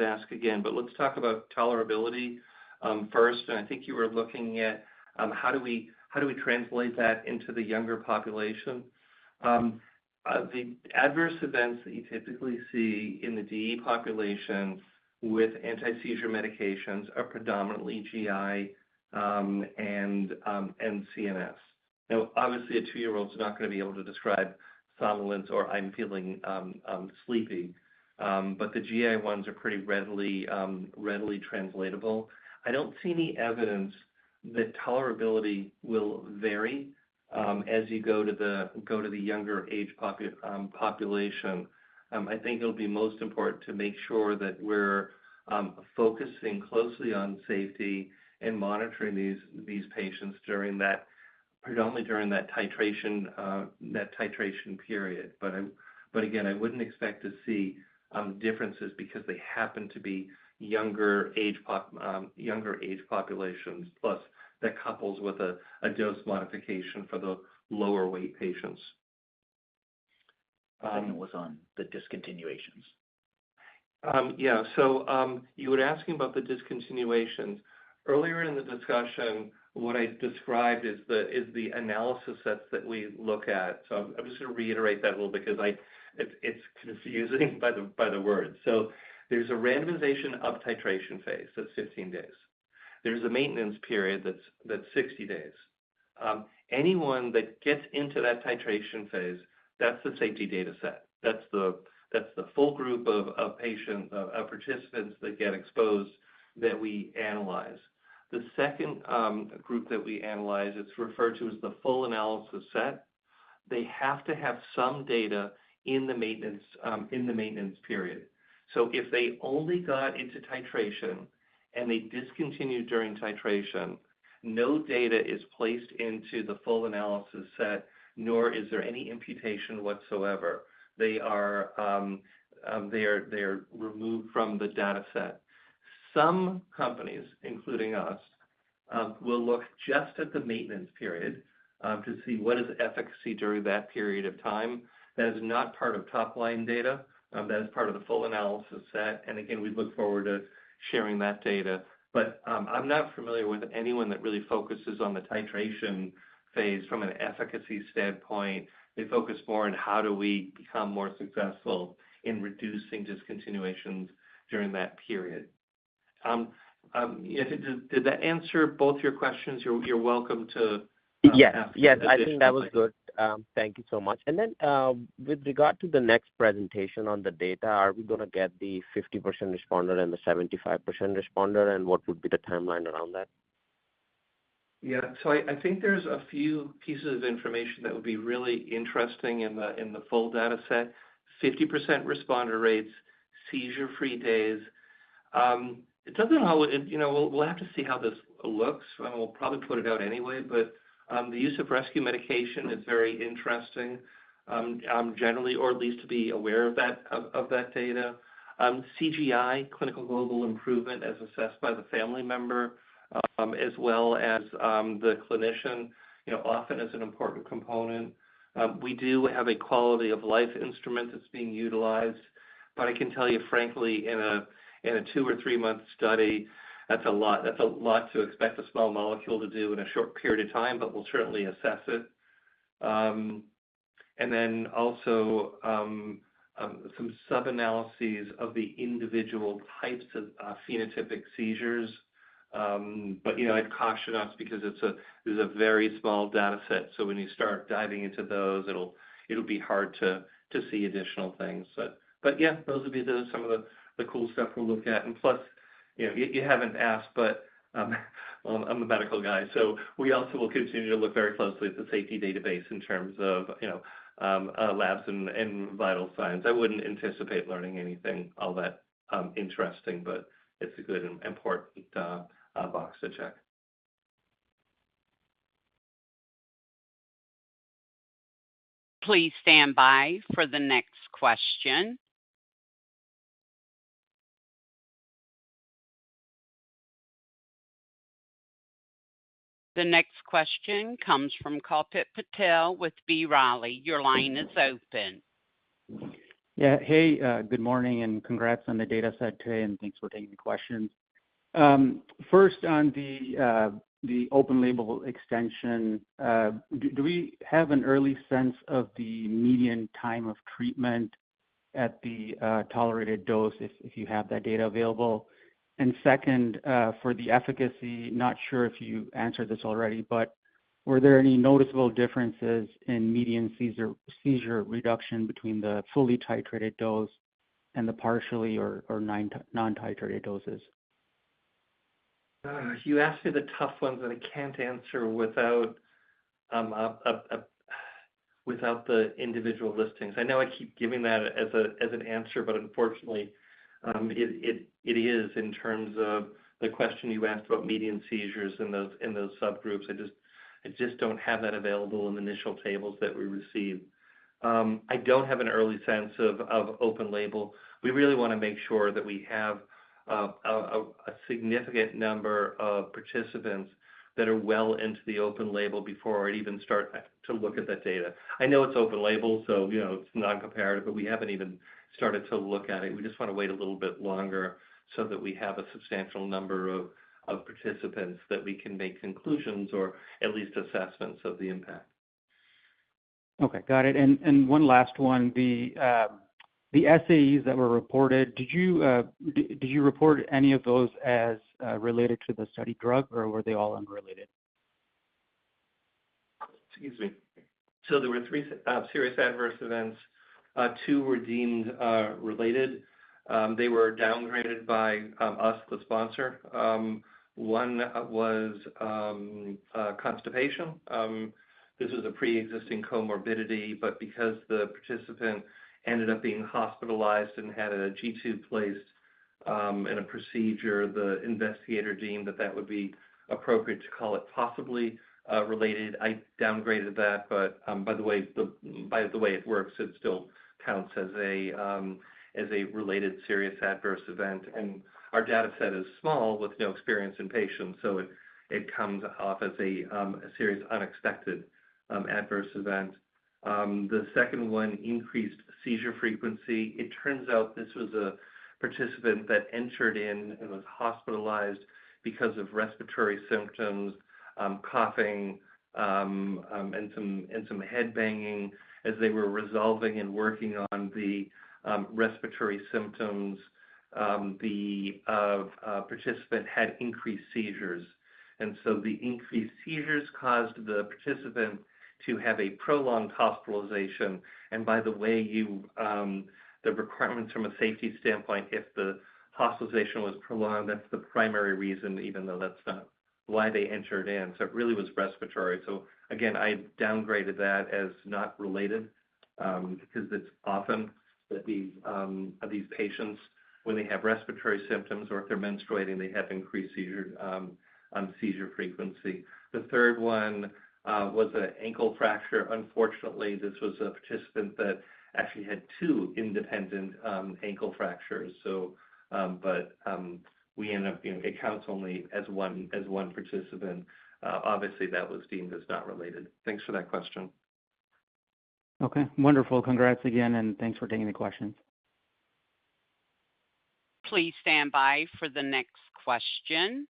[SPEAKER 4] ask again. But let's talk about tolerability first, and I think you were looking at how do we translate that into the younger population? The adverse events that you typically see in the DEE populations with anti-seizure medications are predominantly GI and CNS. Now, obviously, a two-year-old is not going to be able to describe somnolence or I'm feeling sleepy, but the GI ones are pretty readily translatable. I don't see any evidence that tolerability will vary as you go to the younger age population. I think it'll be most important to make sure that we're focusing closely on safety and monitoring these patients during that—predominantly during that titration, that titration period. But again, I wouldn't expect to see differences because they happen to be younger age pop, younger age populations, plus that couples with a dose modification for the lower weight patients.
[SPEAKER 11] My question was on the discontinuations.
[SPEAKER 4] Yeah. So, you were asking about the discontinuations. Earlier in the discussion, what I described is the analysis sets that we look at. So I'm just going to reiterate that a little because it's confusing by the words. So there's a randomization of titration phase. That's 15 days. There's a maintenance period that's 60 days. Anyone that gets into that titration phase, that's the safety data set. That's the full group of patients, of participants that get exposed that we analyze. The second group that we analyze, it's referred to as the full analysis set. They have to have some data in the maintenance, in the maintenance period. So if they only got into titration and they discontinued during titration, no data is placed into the full analysis set, nor is there any imputation whatsoever. They are removed from the data set. Some companies, including us, will look just at the maintenance period to see what is efficacy during that period of time. That is not part of top-line data. That is part of the full analysis set, and again, we look forward to sharing that data. But I'm not familiar with anyone that really focuses on the titration phase from an efficacy standpoint. They focus more on how do we become more successful in reducing discontinuations during that period. Did that answer both your questions? You're welcome to,
[SPEAKER 11] Yes.
[SPEAKER 4] Ask additional questions.
[SPEAKER 11] Yes, I think that was good. Thank you so much. And then, with regard to the next presentation on the data, are we going to get the 50% responder and the 75% responder, and what would be the timeline around that?
[SPEAKER 4] Yeah. So I think there's a few pieces of information that would be really interesting in the full data set. 50% responder rates, seizure-free days. It doesn't all... You know, we'll have to see how this looks, and we'll probably put it out anyway, but the use of rescue medication is very interesting, generally, or at least to be aware of that data. CGI, Clinical Global Impression, as assessed by the family member as well as the clinician, you know, often is an important component. We do have a quality-of-life instrument that's being utilized, but I can tell you frankly, in a two- or three-month study, that's a lot. That's a lot to expect a small molecule to do in a short period of time, but we'll certainly assess it. And then also, some subanalyses of the individual types of phenotypic seizures. But, you know, I'd caution us because it's a, this is a very small data set. So when you start diving into those, it'll be hard to see additional things. But yeah, those would be some of the cool stuff we'll look at. And plus, you know, you haven't asked, but well, I'm a medical guy, so we also will continue to look very closely at the safety database in terms of, you know, labs and vital signs. I wouldn't anticipate learning anything all that interesting, but it's a good and important box to check.
[SPEAKER 1] Please stand by for the next question. The next question comes from Kalpit Patel with B. Riley. Your line is open.
[SPEAKER 12] Yeah. Hey, good morning, and congrats on the data set today, and thanks for taking the questions. First, on the open-label extension, do we have an early sense of the median time of treatment at the tolerated dose, if you have that data available? And second, for the efficacy, not sure if you answered this already, but were there any noticeable differences in median seizure reduction between the fully titrated dose and the partially or non-titrated doses?
[SPEAKER 4] You asked me the tough ones that I can't answer without the individual listings. I know I keep giving that as an answer, but unfortunately, it is in terms of the question you asked about median seizures in those subgroups. I don't have that available in the initial tables that we received. I don't have an early sense of open label. We really want to make sure that we have a significant number of participants that are well into the open label before I even start to look at that data. I know it's open label, so you know, it's non-comparative, but we haven't even started to look at it. We just want to wait a little bit longer so that we have a substantial number of participants that we can make conclusions or at least assessments of the impact.
[SPEAKER 12] Okay, got it. And one last one. The SAEs that were reported, did you report any of those as related to the study drug, or were they all unrelated?
[SPEAKER 4] Excuse me. So there were three serious adverse events. Two were deemed related. They were downgraded by us, the sponsor. One was constipation. This was a preexisting comorbidity, but because the participant ended up being hospitalized and had a G-tube placed, and a procedure, the investigator deemed that that would be appropriate to call it possibly related. I downgraded that, but, by the way, the, by the way it works, it still counts as a related serious adverse event. Our data set is small, with no experience in patients, so it comes off as a serious unexpected adverse event. The second one, increased seizure frequency. It turns out this was a participant that entered in and was hospitalized because of respiratory symptoms, coughing, and some, and some head banging. As they were resolving and working on the respiratory symptoms, the participant had increased seizures, and so the increased seizures caused the participant to have a prolonged hospitalization. By the way, the requirements from a safety standpoint, if the hospitalization was prolonged, that's the primary reason, even though that's not why they entered in. So it really was respiratory. So again, I downgraded that as not related, because it's often that these these patients, when they have respiratory symptoms or if they're menstruating, they have increased seizure seizure frequency. The third one was an ankle fracture. Unfortunately, this was a participant that actually had two independent ankle fractures. We ended up, you know, it counts only as one, as one participant. Obviously, that was deemed as not related. Thanks for that question.
[SPEAKER 12] Okay, wonderful. Congrats again, and thanks for taking the questions.
[SPEAKER 1] Please stand by for the next question.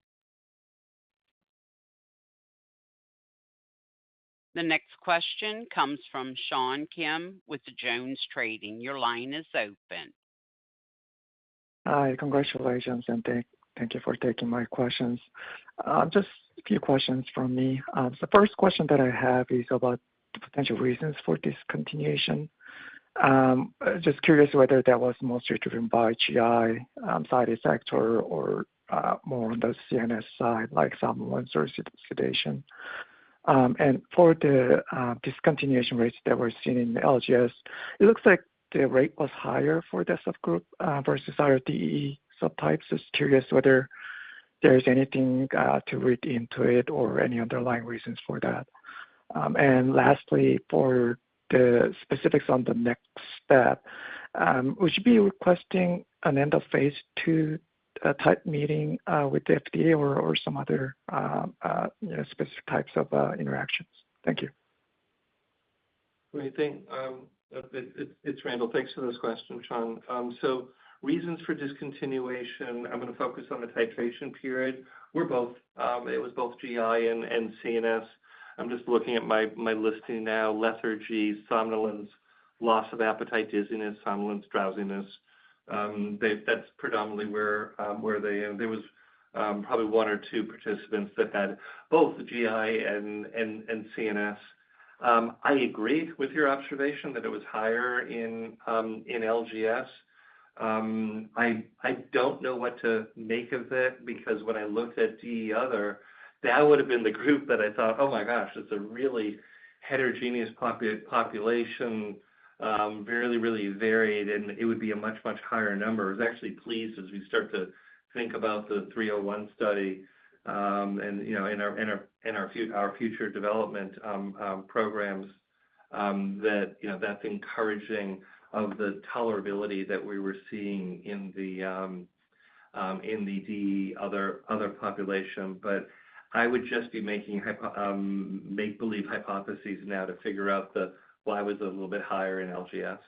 [SPEAKER 1] The next question comes from Sean Kim with JonesTrading. Your line is open.
[SPEAKER 13] Hi. Congratulations, and thank, thank you for taking my questions. Just a few questions from me. The first question that I have is about the potential reasons for discontinuation. Just curious whether that was mostly driven by GI side effects or more on the CNS side, like somnolence or sedation. And for the discontinuation rates that were seen in LGS, it looks like the rate was higher for the subgroup versus our DEE subtypes. Just curious whether there is anything to read into it or any underlying reasons for that. And lastly, for the specifics on the next step, would you be requesting an end-of-phase II type meeting with the FDA or some other specific types of interactions? Thank you.
[SPEAKER 4] Well, thanks. It's Randall. Thanks for those questions, Sean. So reasons for discontinuation, I'm going to focus on the titration period, were both, it was both GI and CNS. I'm just looking at my listing now. Lethargy, somnolence, loss of appetite, dizziness, somnolence, drowsiness. They-- that's predominantly where they... There was probably one or two participants that had both the GI and CNS. I agree with your observation that it was higher in LGS. I don't know what to make of it because when I looked at the other, that would've been the group that I thought, "Oh, my gosh, it's a really heterogeneous population, really, really varied, and it would be a much, much higher number." I was actually pleased as we start to think about the 301 study, and, you know, in our future development programs, that, you know, that's encouraging of the tolerability that we were seeing in the other population. But I would just be making make-believe hypotheses now to figure out why it was a little bit higher in LGS.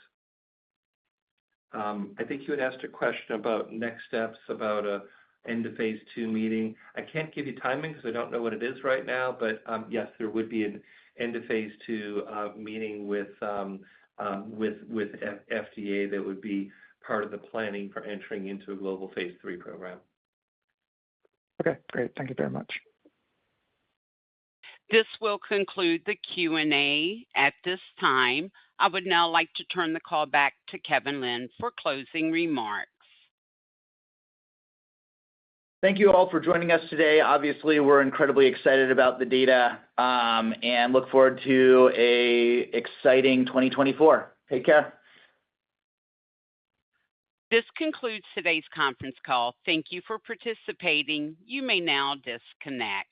[SPEAKER 4] I think you had asked a question about next steps, about an end-of-phase II meeting. I can't give you timing because I don't know what it is right now. But, yes, there would be an end-of-phase II meeting with FDA that would be part of the planning for entering into a global phase three program.
[SPEAKER 13] Okay, great. Thank you very much.
[SPEAKER 1] This will conclude the Q&A at this time. I would now like to turn the call back to Kevin Lind for closing remarks.
[SPEAKER 3] Thank you all for joining us today. Obviously, we're incredibly excited about the data, and look forward to a exciting 2024. Take care.
[SPEAKER 1] This concludes today's conference call. Thank you for participating. You may now disconnect.